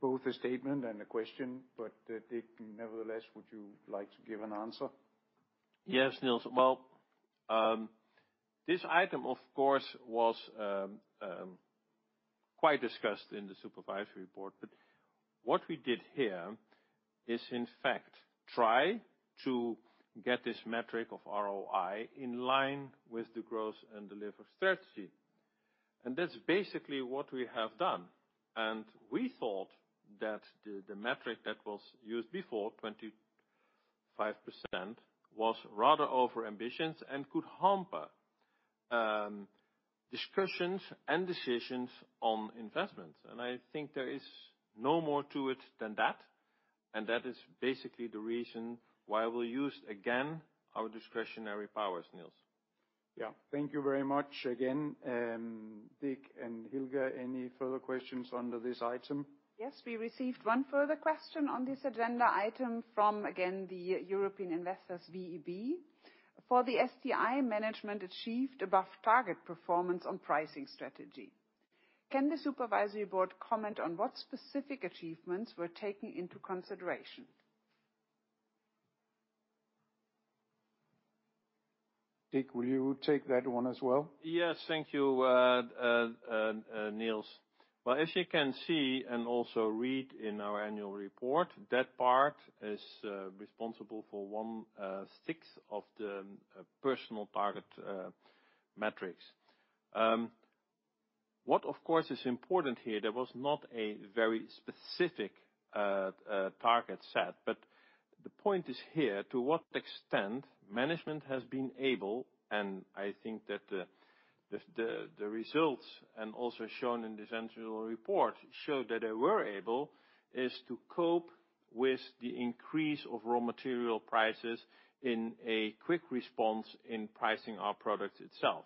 A: both a statement and a question, but Dick, nevertheless, would you like to give an answer?
D: Yes, Nils. Well, this item, of course, was quite discussed in the Supervisory Board. What we did here is, in fact, try to get this metric of ROI in line with the Grow & Deliver strategy. That's basically what we have done. We thought that the metric that was used before, 25%, was rather overambitious and could hamper discussions and decisions on investments. I think there is no more to it than that. That is basically the reason why we'll use again our discretionary powers, Nils.
A: Yeah. Thank you very much again. Dick and Hilka, any further questions under this item?
B: Yes. We received one further question on this agenda item from, again, the European Investors VEB. For the STI management achieved above target performance on pricing strategy, can the Supervisory Board comment on what specific achievements were taken into consideration?
A: Dick, will you take that one as well?
D: Yes. Thank you, Nils. Well, as you can see, and also read in our annual report, that part is responsible for one sixth of the personal target metrics. What of course is important here, there was not a very specific target set, but the point is here to what extent management has been able, and I think that the results and also shown in this annual report show that they were able is to cope with the increase of raw material prices in a quick response in pricing our products itself.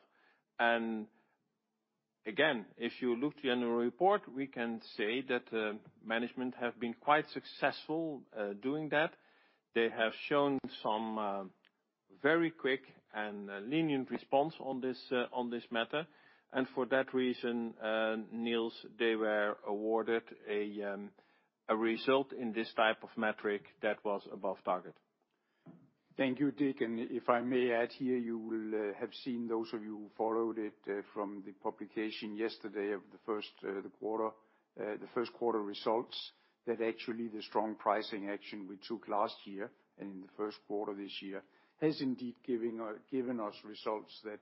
D: Again, if you look to annual report, we can say that management have been quite successful doing that. They have shown some very quick and lenient response on this matter. For that reason, Nils, they were awarded a result in this type of metric that was above target.
A: Thank you, Dick. If I may add here, you will have seen, those of you who followed it, from the publication yesterday of the first quarter results, that actually the strong pricing action we took last year and in the first quarter this year has indeed given us results that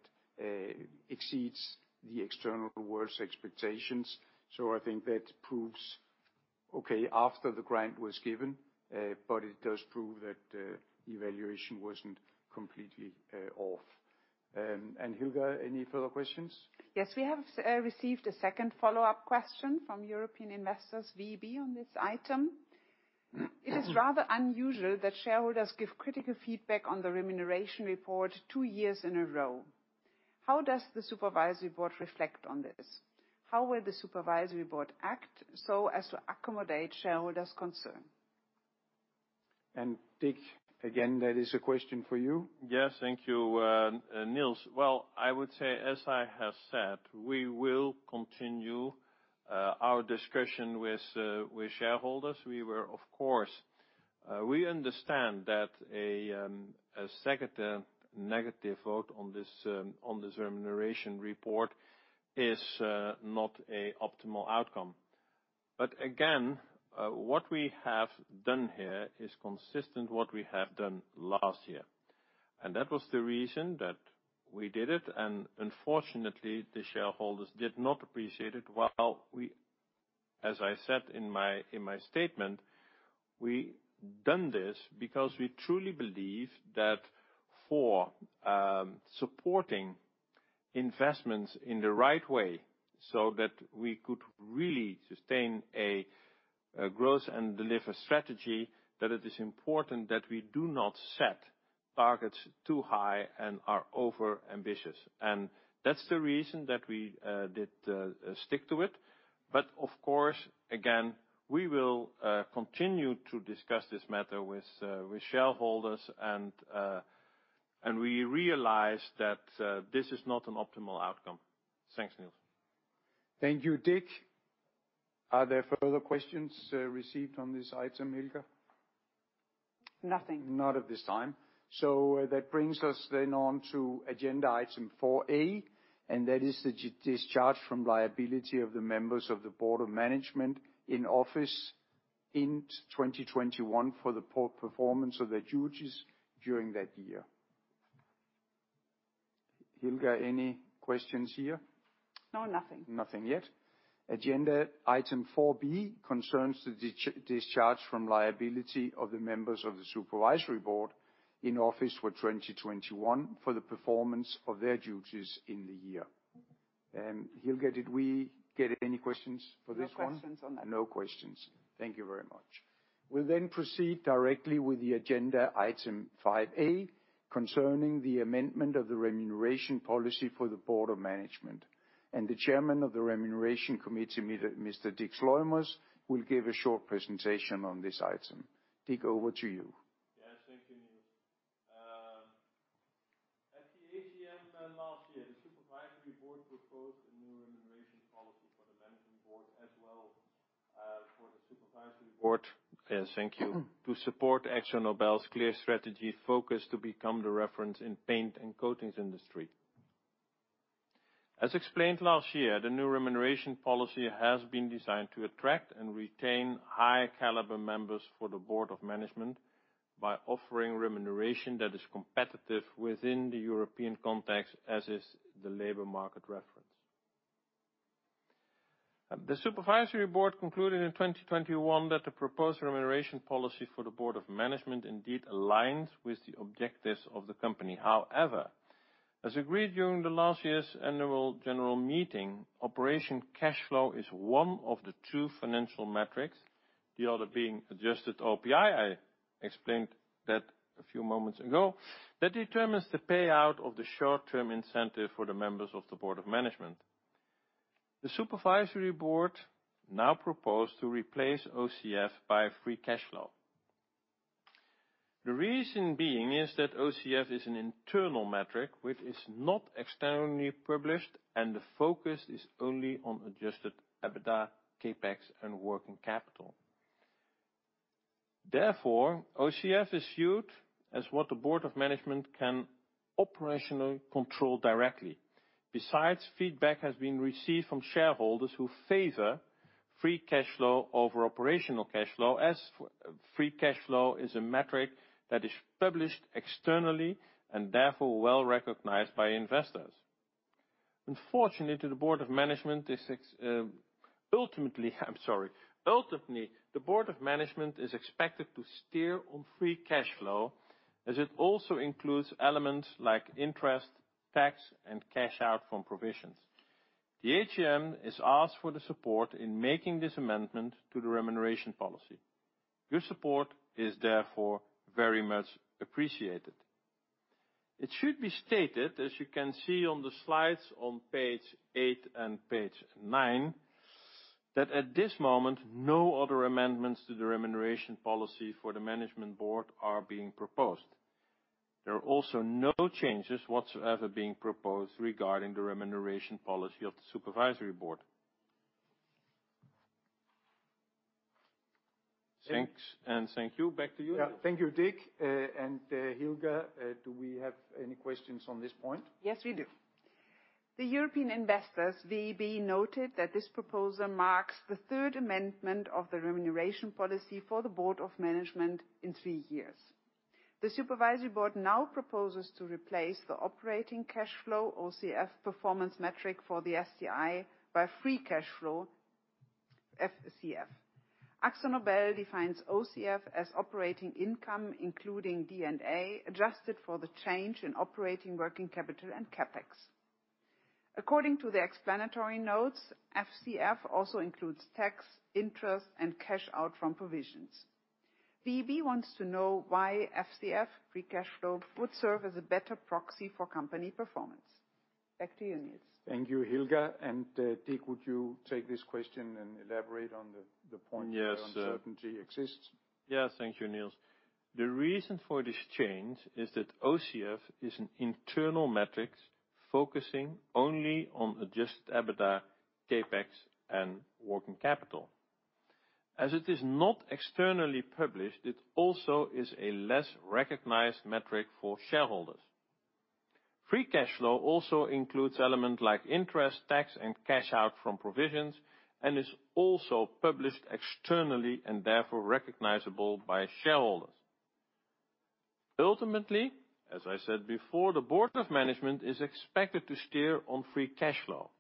A: exceeds the external world's expectations. I think that proves, okay, after the grant was given, but it does prove that evaluation wasn't completely off. Hilka, any further questions?
B: Yes. We have received a second follow-up question from European Investors VEB on this item. It is rather unusual that shareholders give critical feedback on the remuneration report two years in a row. How does the supervisory board reflect on this? How will the supervisory board act so as to accommodate shareholders' concern?
A: Dick, again, that is a question for you.
D: Yes. Thank you, Nils. Well, I would say, as I have said, we will continue our discussion with shareholders. We, of course, understand that a second negative vote on this remuneration report is not an optimal outcome. Again, what we have done here is consistent with what we have done last year. That was the reason that we did it. Unfortunately, the shareholders did not appreciate it. While we, as I said in my statement, we done this because we truly believe that for supporting investments in the right way, so that we could really sustain a growth and deliver strategy, that it is important that we do not set targets too high and are overambitious. That's the reason that we did stick to it. Of course, again, we will continue to discuss this matter with shareholders and we realize that this is not an optimal outcome. Thanks, Nils.
A: Thank you, Dick. Are there further questions received on this item, Hilka?
B: Nothing.
A: Not at this time. That brings us then on to agenda item 4A, and that is the discharge from liability of the members of the Board of Management in office in 2021 for the poor performance of their duties during that year. Hilka, any questions here?
B: No, nothing.
A: Nothing yet. Agenda item 4B concerns the discharge from liability of the members of the Supervisory Board in office for 2021 for the performance of their duties in the year. Hilka, did we get any questions for this one?
B: No questions on that.
A: No questions. Thank you very much. We'll then proceed directly with the agenda item 5A, concerning the amendment of the remuneration policy for the Board of Management. The Chairman of the Remuneration Committee, Mr. Dick Sluimers, will give a short presentation on this item. Dick, over to you.
D: Yes, thank you, Nils. At the AGM last year, the Supervisory Board proposed a new remuneration policy for the Board of Management as well for the Supervisory Board. Yes, thank you. To support AkzoNobel's clear strategy focus to become the reference in paints and coatings industry. As explained last year, the new remuneration policy has been designed to attract and retain high caliber members for the Board of Management by offering remuneration that is competitive within the European context, as is the labor market reference. The Supervisory Board concluded in 2021 that the proposed remuneration policy for the Board of Management indeed aligns with the objectives of the company. However, as agreed during the last year's annual general meeting, operating cash flow is one of the two financial metrics, the other being Adjusted OPI, I explained that a few moments ago, that determines the payout of the short-term incentive for the members of the Board of Management. The Supervisory Board now propose to replace OCF by free cash flow. The reason being is that OCF is an internal metric which is not externally published, and the focus is only on Adjusted EBITDA, CapEx, and working capital. Therefore, OCF is viewed as what the Board of Management can operationally control directly. Besides, feedback has been received from shareholders who favor free cash flow over operating cash flow, as free cash flow is a metric that is published externally and therefore well-recognized by investors. Ultimately, the Board of Management is expected to steer on free cash flow as it also includes elements like interest, tax, and cash out from provisions. The AGM has asked for the support in making this amendment to the remuneration policy. Your support is therefore very much appreciated. It should be stated, as you can see on the slides on page 8 and page 9, that at this moment, no other amendments to the remuneration policy for the Management Board are being proposed. There are also no changes whatsoever being proposed regarding the remuneration policy of the Supervisory Board. Thanks, and thank you. Back to you.
A: Yeah. Thank you, Dick. Hilka, do we have any questions on this point?
B: Yes, we do. The European Investors VEB noted that this proposal marks the third amendment of the Remuneration Policy for the Board of Management in three years. The Supervisory Board now proposes to replace the operating cash flow, OCF, performance metric for the STI by free cash flow, FCF. AkzoNobel defines OCF as operating income, including DNA, adjusted for the change in operating working capital and CapEx. According to the explanatory notes, FCF also includes tax, interest, and cash out from provisions. VEB wants to know why FCF, free cash flow, would serve as a better proxy for company performance. Back to you, Nils.
A: Thank you, Hilka. Dick, would you take this question and elaborate on the point?
D: Yes.
A: Where uncertainty exists?
D: Yes. Thank you, Nils. The reason for this change is that OCF is an internal metric focusing only on Adjusted EBITDA, CapEx, and working capital. As it is not externally published, it also is a less recognized metric for shareholders. Free cash flow also includes elements like interest, tax, and cash out from provisions, and is also published externally and therefore recognizable by shareholders. Ultimately, as I said before, the Board of Management is expected to steer on free cash flow.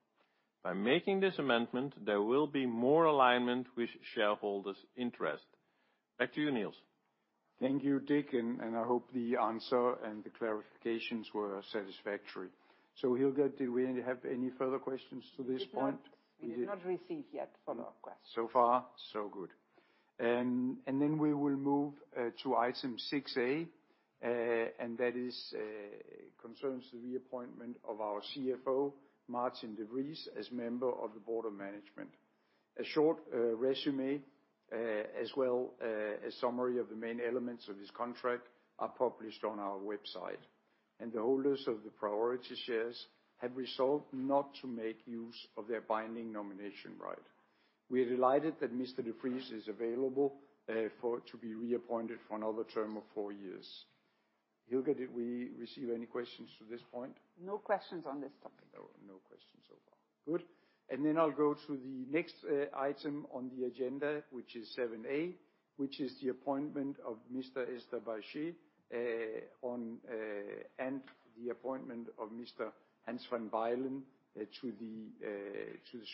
D: By making this amendment, there will be more alignment with shareholders' interest. Back to you, Nils.
A: Thank you, Dick Sluimers, I hope the answer and the clarifications were satisfactory. Hilka, do we have any further questions to this point? We did not receive yet follow-up questions. So far so good. Then we will move to item 6A, and that concerns the reappointment of our CFO, Maarten de Vries, as member of the Board of Management. A short resume, as well, a summary of the main elements of his contract are published on our website. The holders of the priority shares have resolved not to make use of their binding nomination right. We're delighted that Mr. de Vries is available for to be reappointed for another term of four years. Hilka, did we receive any questions to this point? No questions on this topic. No. No questions so far. Good. Then I'll go to the next item on the agenda, which is 7A, which is the appointment of Mr. Ester Baiget to the supervisory board. The appointment of Mr. Hans Van Bylen to the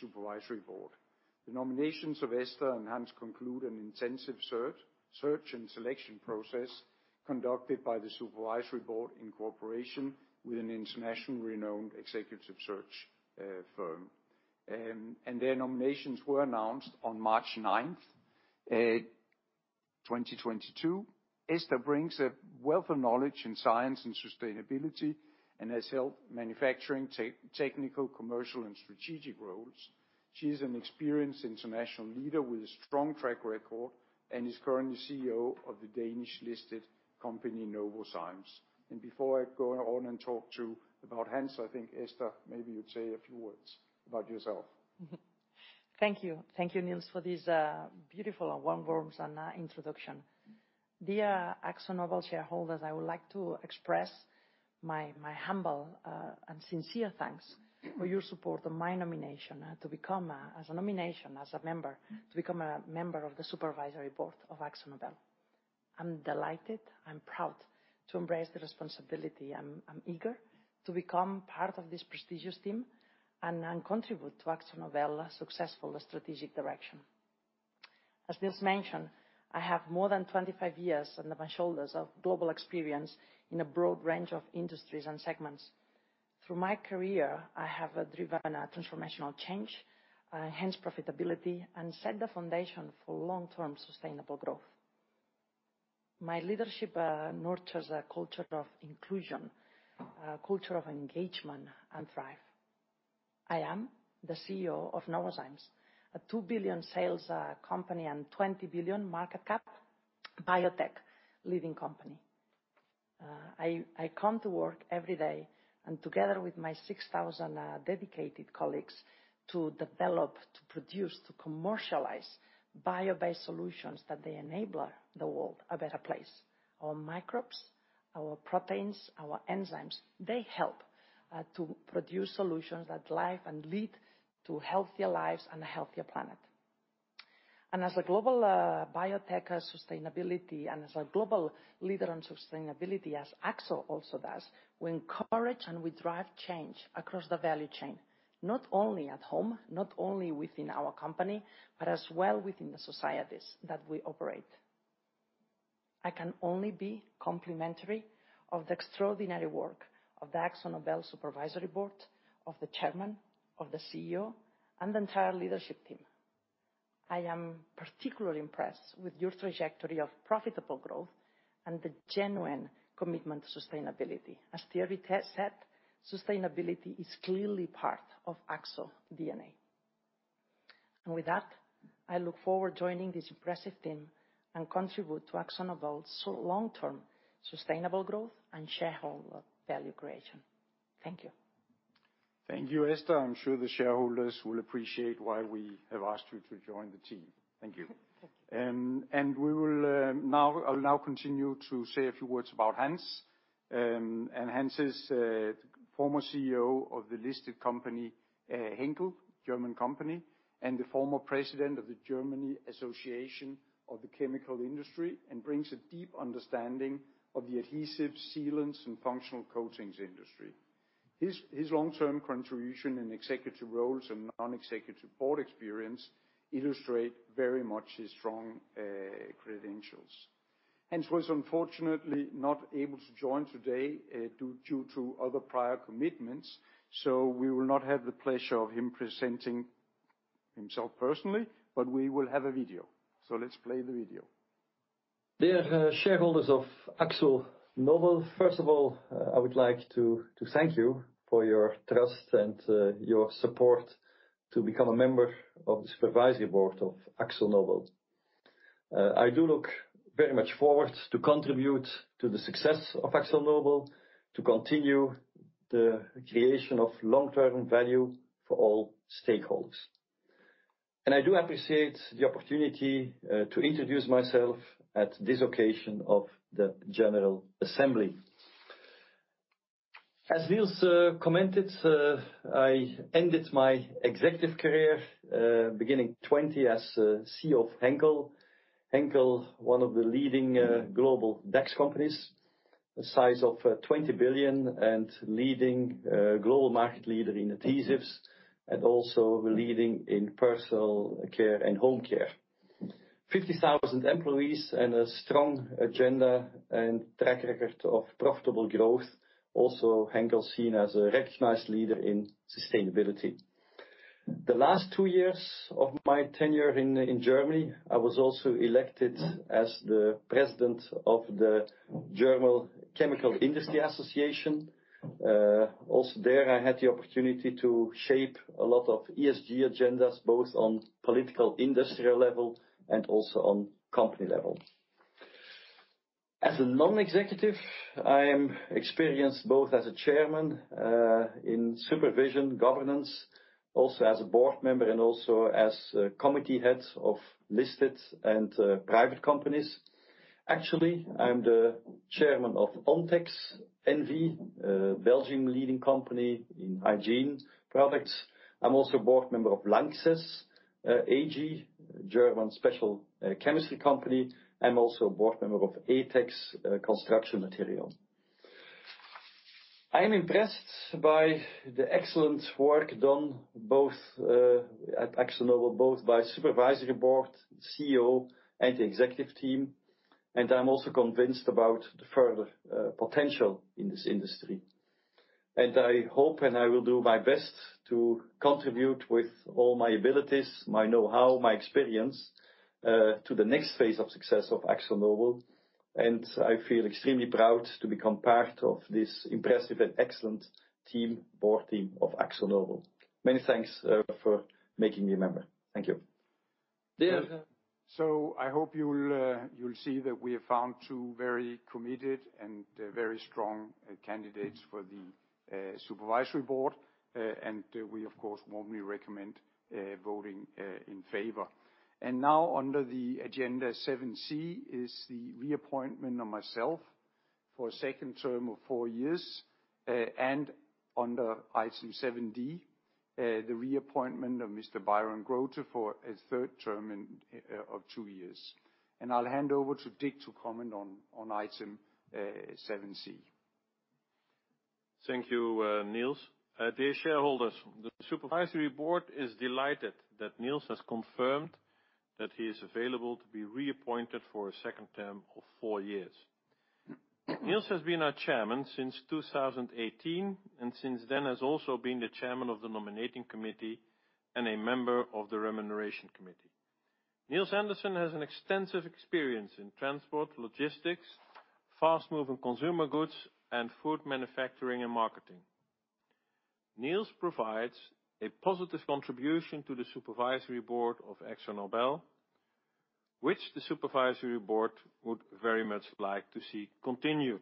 A: supervisory board. The nominations of Ester and Hans conclude an intensive search and selection process conducted by the supervisory board in cooperation with an internationally renowned executive search firm. Their nominations were announced on March 9, 2022. Ester brings a wealth of knowledge in science and sustainability, and has held manufacturing, technical, commercial, and strategic roles. She is an experienced international leader with a strong track record, and is currently CEO of the Danish-listed company Novozymes. Before I go on and talk about Hans, I think, Ester, maybe you'd say a few words about yourself.
B: Thank you. Thank you, Nils, for this beautiful and warm words and introduction. Dear AkzoNobel shareholders, I would like to express my humble and sincere thanks for your support of my nomination to become a member of the supervisory board of AkzoNobel. I'm delighted and proud to embrace the responsibility, and I'm eager to become part of this prestigious team and contribute to AkzoNobel successful strategic direction. As Nils mentioned, I have more than 25 years under my belt of global experience in a broad range of industries and segments. Through my career, I have driven a transformational change, enhanced profitability, and set the foundation for long-term sustainable growth. My leadership nurtures a culture of inclusion, a culture of engagement, and thrive.
G: I am the CEO of Novozymes, a 2 billion sales company and 20 billion market cap biotech leading company. I come to work every day, and together with my 6,000 dedicated colleagues, to develop, to produce, to commercialize bio-based solutions that they enable the world a better place. Our microbes, our proteins, our enzymes, they help to produce solutions that live and lead to healthier lives and a healthier planet. As a global biotech sustainability and as a global leader in sustainability, as AkzoNobel also does, we encourage and we drive change across the value chain, not only at home, not only within our company, but as well within the societies that we operate. I can only be complimentary of the extraordinary work of the AkzoNobel supervisory board, of the chairman, of the CEO, and the entire leadership team. I am particularly impressed with your trajectory of profitable growth and the genuine commitment to sustainability. As Thierry said, sustainability is clearly part of AkzoNobel's DNA. With that, I look forward to joining this impressive team and contributing to AkzoNobel's long-term sustainable growth and shareholder value creation. Thank you.
A: Thank you, Ester. I'm sure the shareholders will appreciate why we have asked you to join the team. Thank you.
G: Thank you.
A: I'll now continue to say a few words about Hans. Hans is former CEO of the listed company, Henkel, German company, and the former president of the German Association of the Chemical Industry, and brings a deep understanding of the adhesives, sealants, and functional coatings industry. His long-term contribution in executive roles and non-executive board experience illustrate very much his strong credentials. Hans was unfortunately not able to join today due to other prior commitments, so we will not have the pleasure of him presenting himself personally, but we will have a video. Let's play the video.
H: Dear shareholders of AkzoNobel, first of all, I would like to thank you for your trust and your support to become a member of the supervisory board of AkzoNobel. I do look very much forward to contribute to the success of AkzoNobel, to continue the creation of long-term value for all stakeholders. I do appreciate the opportunity to introduce myself at this occasion of the General Assembly. As Nils commented, I ended my executive career in 2020 as CEO of Henkel. Henkel, one of the leading global DAX companies. The size of 20 billion and leading global market leader in adhesives, and also leading in personal care and home care. 50,000 employees and a strong agenda and track record of profitable growth. Also, Henkel is seen as a recognized leader in sustainability. The last two years of my tenure in Germany, I was also elected as the President of the Germany Association of the Chemical Industry. Also there, I had the opportunity to shape a lot of ESG agendas, both on political industrial level and also on company level. As a non-executive, I am experienced both as a Chairman in supervisory governance, also as a Board Member, and also as committee heads of listed and private companies. Actually, I'm the Chairman of Ontex Group NV, a leading Belgian company in hygiene products. I'm also a Board Member of LANXESS AG, a German specialty chemicals company. I'm also a Board Member of Etex, a construction materials company. I am impressed by the excellent work done both at AkzoNobel, both by Supervisory Board, CEO and the executive team, and I'm also convinced about the further potential in this industry. I hope, and I will do my best to contribute with all my abilities, my know-how, my experience, to the next phase of success of AkzoNobel, and I feel extremely proud to become part of this impressive and excellent team, board team of AkzoNobel. Many thanks, for making me a member. Thank you.
D: Nils.
A: I hope you'll see that we have found two very committed and very strong candidates for the Supervisory Board. We, of course, warmly recommend voting in favor. Now under the agenda 7C is the reappointment of myself for a second term of four years. Under item 7D, the reappointment of Mr. Byron Grote for a third term of two years. I'll hand over to Dick to comment on item 7C.
D: Thank you, Nils. Dear shareholders, the Supervisory Board is delighted that Nils has confirmed that he is available to be reappointed for a second term of four years. Nils has been our Chairman since 2018, and since then has also been the Chairman of the Nominating Committee and a member of the Remuneration Committee. Nils Andersen has an extensive experience in transport, logistics, fast-moving consumer goods, and food manufacturing and marketing. Nils provides a positive contribution to the Supervisory Board of AkzoNobel, which the Supervisory Board would very much like to see continued.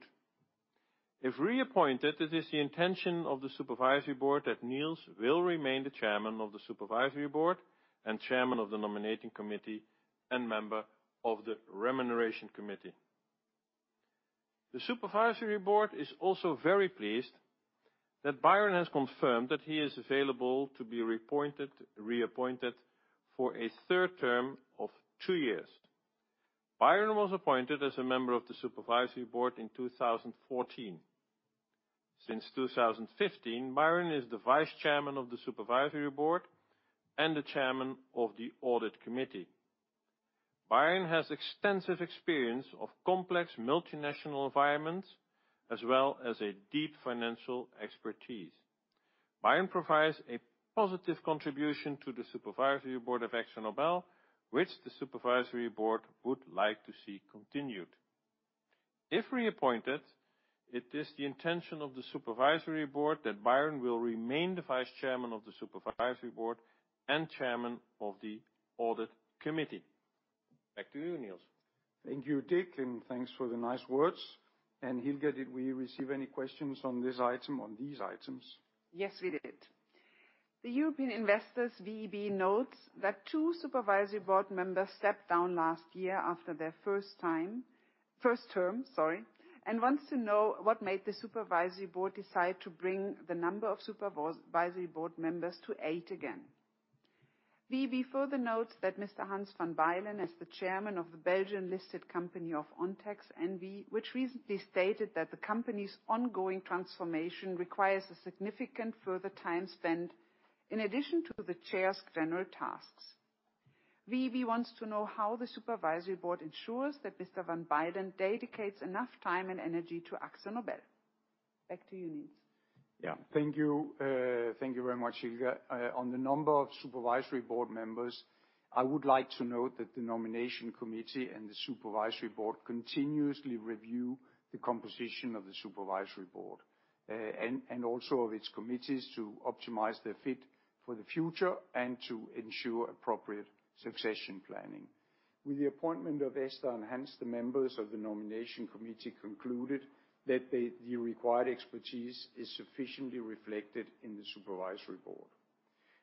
D: If reappointed, it is the intention of the Supervisory Board that Nils will remain the Chairman of the Supervisory Board and Chairman of the Nominating Committee and member of the Remuneration Committee. The Supervisory Board is also very pleased that Byron has confirmed that he is available to be reappointed for a third term of two years. Byron was appointed as a member of the Supervisory Board in 2014. Since 2015, Byron is the Vice Chairman of the Supervisory Board and the Chairman of the Audit Committee. Byron has extensive experience of complex multinational environments as well as a deep financial expertise. Byron provides a positive contribution to the Supervisory Board of AkzoNobel, which the Supervisory Board would like to see continued. If reappointed, it is the intention of the Supervisory Board that Byron will remain the Vice Chairman of the Supervisory Board and Chairman of the Audit Committee. Back to you, Nils.
A: Thank you, Dick, and thanks for the nice words. Hilka, did we receive any questions on this item, on these items?
B: Yes, we did. The European Investors VEB notes that two supervisory board members stepped down last year after their first term and wants to know what made the supervisory board decide to bring the number of supervisory board members to eight again. VEB further notes that Mr. Hans Van Bylen is the chairman of the Belgian listed company Ontex NV, which recently stated that the company's ongoing transformation requires a significant further time spent in addition to the chair's general tasks. VEB wants to know how the supervisory board ensures that Mr. Hans Van Bylen dedicates enough time and energy to AkzoNobel. Back to you, Nils.
A: Yeah. Thank you. Thank you very much, Hilka. On the number of supervisory board members, I would like to note that the nomination committee and the supervisory board continuously review the composition of the supervisory board, and also of its committees to optimize their fit for the future and to ensure appropriate succession planning. With the appointment of Ester and Hans Van Bylen, the members of the nomination committee concluded that the required expertise is sufficiently reflected in the supervisory board.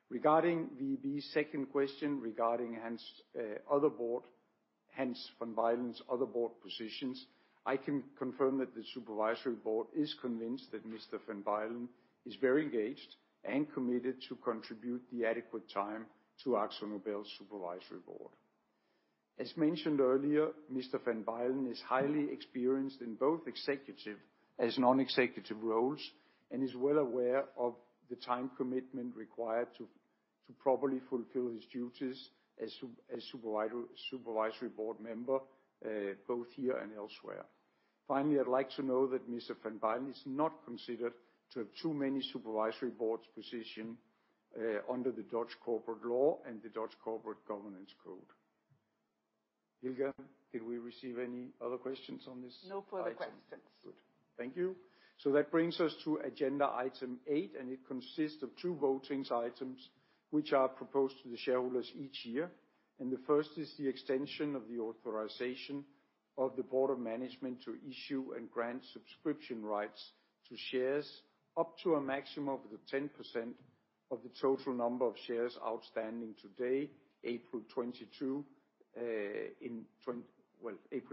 A: Regarding VEB's second question regarding Hans Van Bylen's other board positions, I can confirm that the supervisory board is convinced that Mr. Van Bylen is very engaged and committed to contribute the adequate time to AkzoNobel's supervisory board. As mentioned earlier, Mr. Van Bylen is highly experienced in both executive as non-executive roles and is well aware of the time commitment required to properly fulfill his duties as supervisory board member, both here and elsewhere. Finally, I'd like to know that Mr. Van Bylen is not considered to have too many supervisory board positions under the Dutch corporate law and the Dutch Corporate Governance Code. Hilka, did we receive any other questions on this item?
B: No further questions.
A: Good. Thank you. That brings us to agenda item eight, and it consists of two voting items which are proposed to the shareholders each year. The first is the extension of the authorization of the Board of Management to issue and grant subscription rights to shares up to a maximum of 10% of the total number of shares outstanding today, April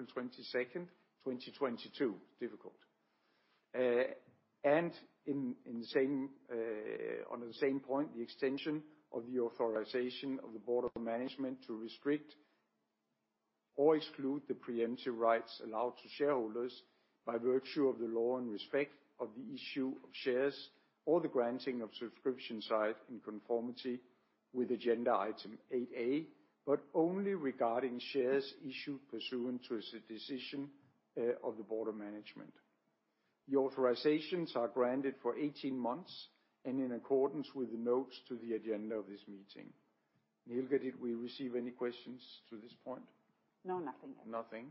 A: 22nd, 2022. Difficult. On the same point, the extension of the authorization of the Board of Management to restrict or exclude the preemptive rights allowed to shareholders by virtue of the law in respect of the issue of shares or the granting of subscription rights in conformity with agenda item 8A, but only regarding shares issued pursuant to a decision of the Board of Management. The authorizations are granted for 18 months and in accordance with the notes to the agenda of this meeting. Hilka, did we receive any questions to this point?
B: No. Nothing.
A: Nothing.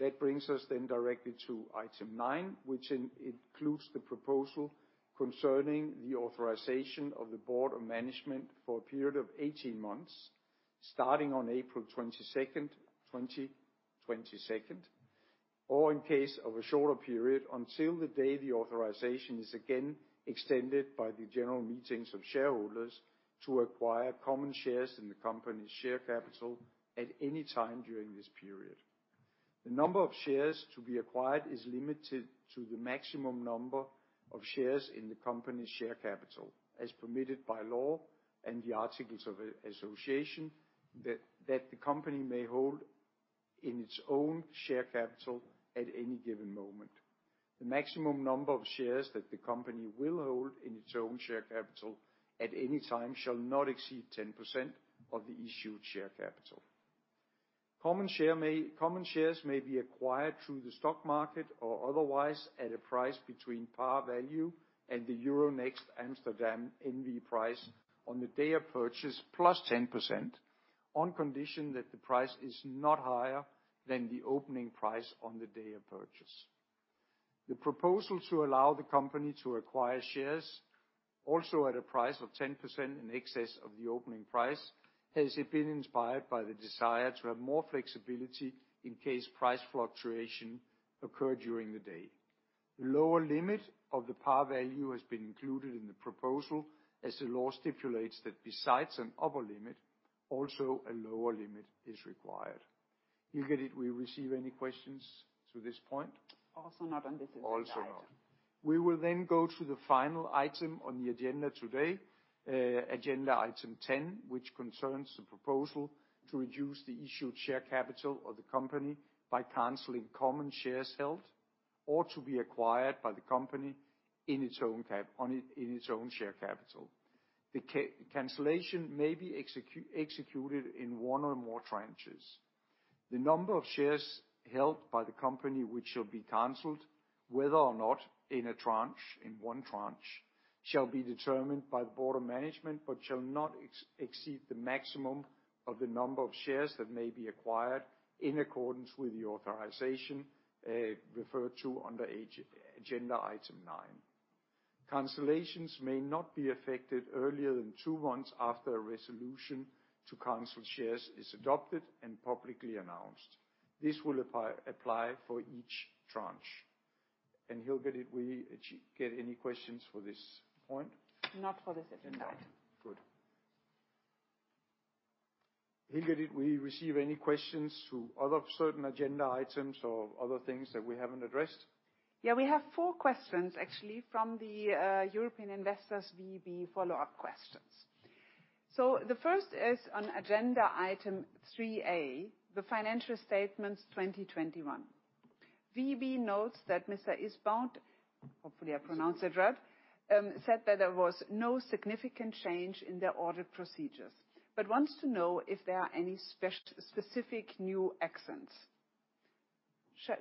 A: That brings us directly to item nine, which includes the proposal concerning the authorization of the board of management for a period of 18 months, starting on April 22nd, 2022, or in case of a shorter period, until the day the authorization is again extended by the general meetings of shareholders to acquire common shares in the company's share capital at any time during this period. The number of shares to be acquired is limited to the maximum number of shares in the company's share capital, as permitted by law and the articles of association that the company may hold in its own share capital at any given moment. The maximum number of shares that the company will hold in its own share capital at any time shall not exceed 10% of the issued share capital. Common shares may be acquired through the stock market or otherwise at a price between par value and the Euronext Amsterdam N.V. price on the day of purchase, plus 10%, on condition that the price is not higher than the opening price on the day of purchase. The proposal to allow the company to acquire shares, also at a price of 10% in excess of the opening price, has been inspired by the desire to have more flexibility in case price fluctuations occur during the day. The lower limit of the par value has been included in the proposal, as the law stipulates that besides an upper limit, also a lower limit is required. Hilka, did we receive any questions to this point?
B: Also not on this item.
A: We will go to the final item on the agenda today, agenda item 10, which concerns the proposal to reduce the issued share capital of the company by canceling common shares held or to be acquired by the company in its own share capital. The cancellation may be executed in one or more tranches. The number of shares held by the company, which shall be canceled, whether or not in a tranche, shall be determined by the board of management, but shall not exceed the maximum of the number of shares that may be acquired in accordance with the authorization referred to under agenda item nine. Cancellations may not be effected earlier than two months after a resolution to cancel shares is adopted and publicly announced. This will apply for each tranche. Hilka, did we get any questions for this point?
B: Not for this agenda item.
A: Good. Hilka, did we receive any questions to other certain agenda items or other things that we haven't addressed?
B: We have four questions actually from the European Investors VEB follow-up questions. The first is on agenda item 3A, the financial statements 2021. VEB notes that Mr. Izeboud, hopefully I pronounced that right, said that there was no significant change in their audit procedures, but wants to know if there are any specific new aspects.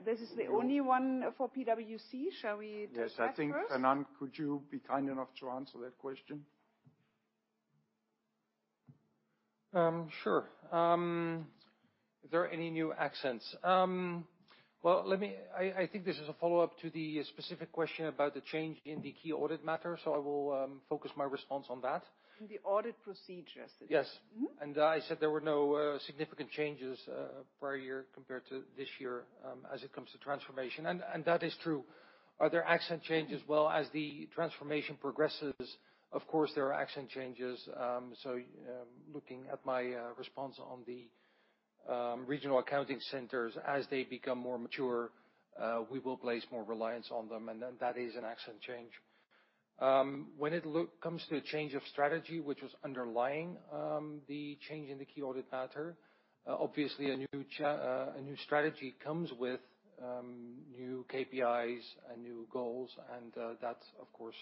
B: This is the only one for PwC. Shall we take that first?
A: Yes. I think, Fernan, could you be kind enough to answer that question?
F: Sure. Is there any new aspects? Well, I think this is a follow-up to the specific question about the change in the key audit matter. I will focus my response on that.
B: In the audit procedures.
F: Yes.
B: Mm-hmm.
F: I said there were no significant changes prior year compared to this year as it comes to transformation, and that is true. Are there accent changes? Well, as the transformation progresses, of course, there are accent changes. Looking at my response on the regional accounting centers, as they become more mature, we will place more reliance on them, and then that is an accent change.
D: When it comes to a change of strategy, which was underlying the change in the key audit matter, obviously a new strategy comes with new KPIs and new goals. That, of course,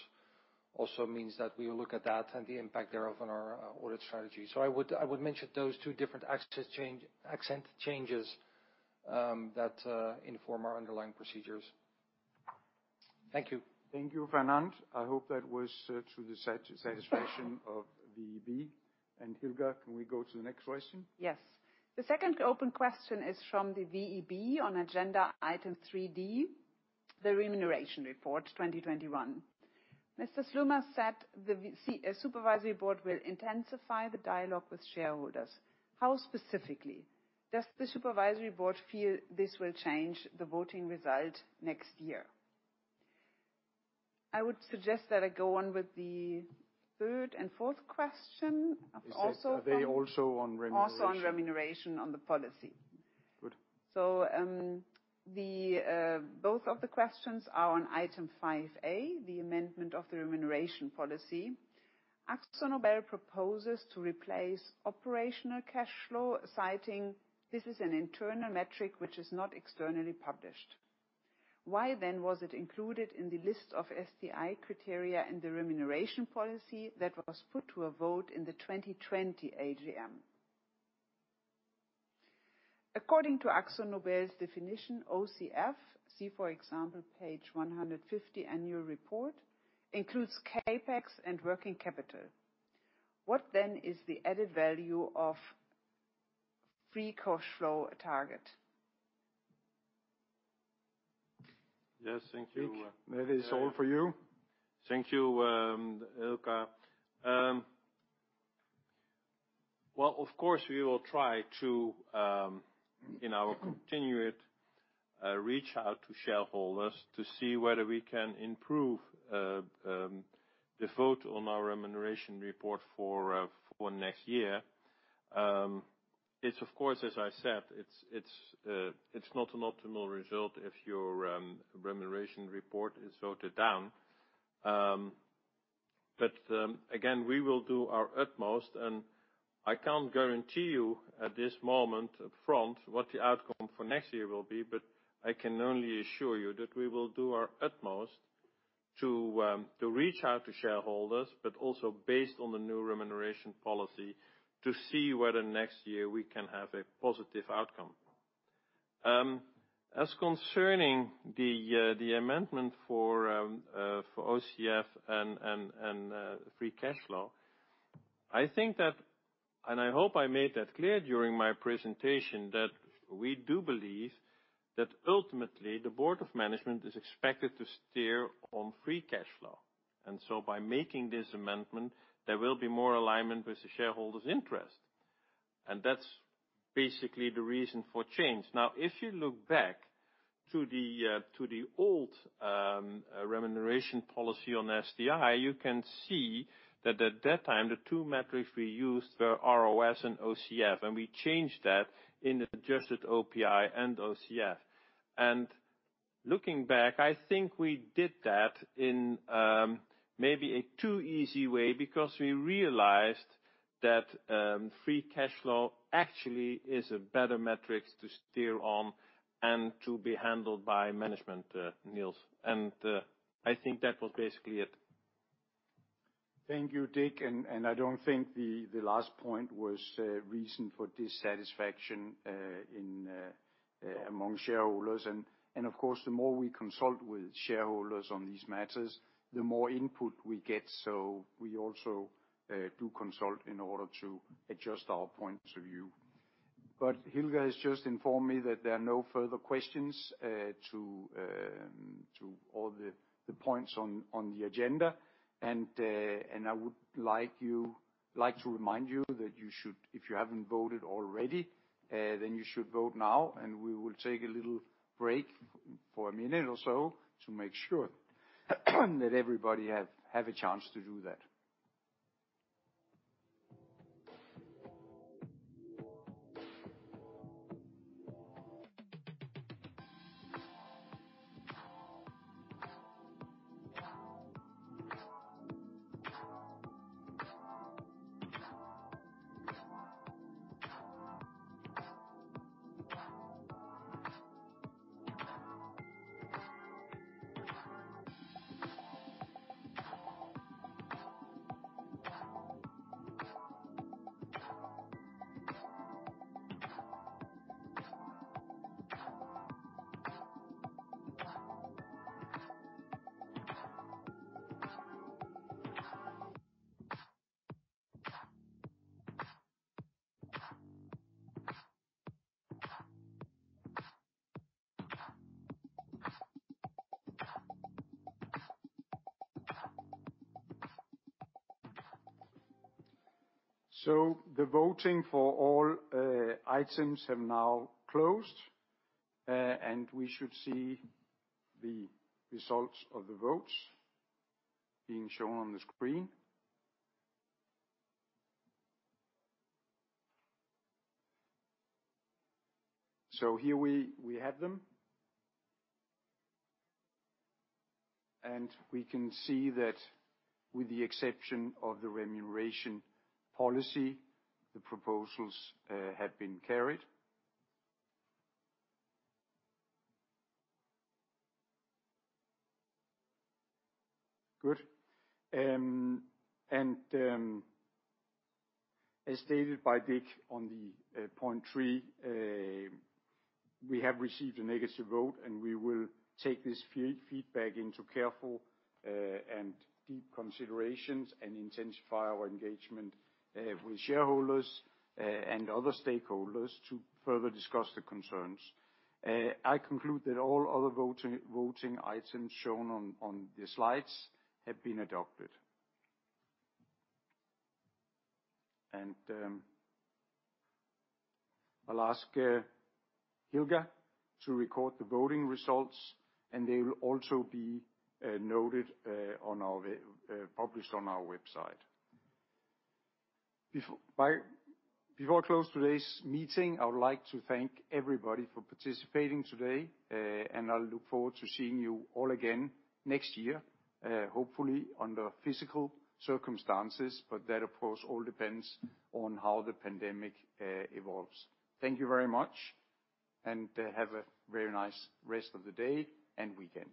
D: also means that we will look at that and the impact thereof on our audit strategy. I would mention those two different aspect changes that inform our underlying procedures. Thank you.
A: Thank you, Fernand. I hope that was to the satisfaction of VEB. Hilka, can we go to the next question?
B: Yes. The second open question is from the VEB on agenda item 3D, the Remuneration Report 2021. Mr. Sluimers said the supervisory board will intensify the dialogue with shareholders. How specifically does the supervisory board feel this will change the voting result next year? I would suggest that I go on with the third and fourth question, also from-
A: Are they also on remuneration?
B: Also on remuneration on the policy.
A: Good.
B: Both of the questions are on item 5A, the amendment of the remuneration policy. AkzoNobel proposes to replace operational cash flow, citing this is an internal metric which is not externally published. Why then was it included in the list of STI criteria in the remuneration policy that was put to a vote in the 2020 AGM? According to AkzoNobel's definition, OCF, see for example, page 150 annual report, includes CapEx and working capital. What then is the added value of free cash flow target?
D: Yes, thank you.
A: Dick, maybe it's all for you.
D: Thank you, Hilka. Well, of course, we will try to in our continued reach out to shareholders to see whether we can improve the vote on our remuneration report for next year. It's of course, as I said, it's not an optimal result if your remuneration report is voted down. Again, we will do our utmost, and I can't guarantee you at this moment upfront what the outcome for next year will be, but I can only assure you that we will do our utmost to reach out to shareholders, but also based on the new remuneration policy, to see whether next year we can have a positive outcome. As concerning the amendment for OCF and free cash flow, I think that, and I hope I made that clear during my presentation, that we do believe that ultimately the board of management is expected to steer on free cash flow. By making this amendment, there will be more alignment with the shareholders' interest, and that's basically the reason for change. Now, if you look back to the old remuneration policy on STI, you can see that at that time, the two metrics we used were ROS and OCF, and we changed that into Adjusted OPI and OCF. Looking back, I think we did that in maybe a too easy way because we realized that free cash flow actually is a better metric to steer on and to be handled by management, Nils. I think that was basically it.
A: Thank you, Dick. I don't think the last point was reason for dissatisfaction among shareholders. Of course, the more we consult with shareholders on these matters, the more input we get. We also do consult in order to adjust our points of view. Hilka has just informed me that there are no further questions to all the points on the agenda. I would like to remind you that you should, if you haven't voted already, then you should vote now, and we will take a little break for a minute or so to make sure that everybody have a chance to do that. The voting for all items have now closed. We should see the results of the votes being shown on the screen. So here we have them. We can see that with the exception of the remuneration policy, the proposals have been carried. Good. As stated by Dick on point three, we have received a negative vote, and we will take this feedback into careful and deep considerations and intensify our engagement with shareholders and other stakeholders to further discuss the concerns. I conclude that all other voting items shown on the slides have been adopted. I'll ask Hilka to record the voting results, and they will also be noted and published on our website. Before I close today's meeting, I would like to thank everybody for participating today, and I'll look forward to seeing you all again next year, hopefully under physical circumstances. That, of course, all depends on how the pandemic evolves. Thank you very much, and, have a very nice rest of the day and weekend.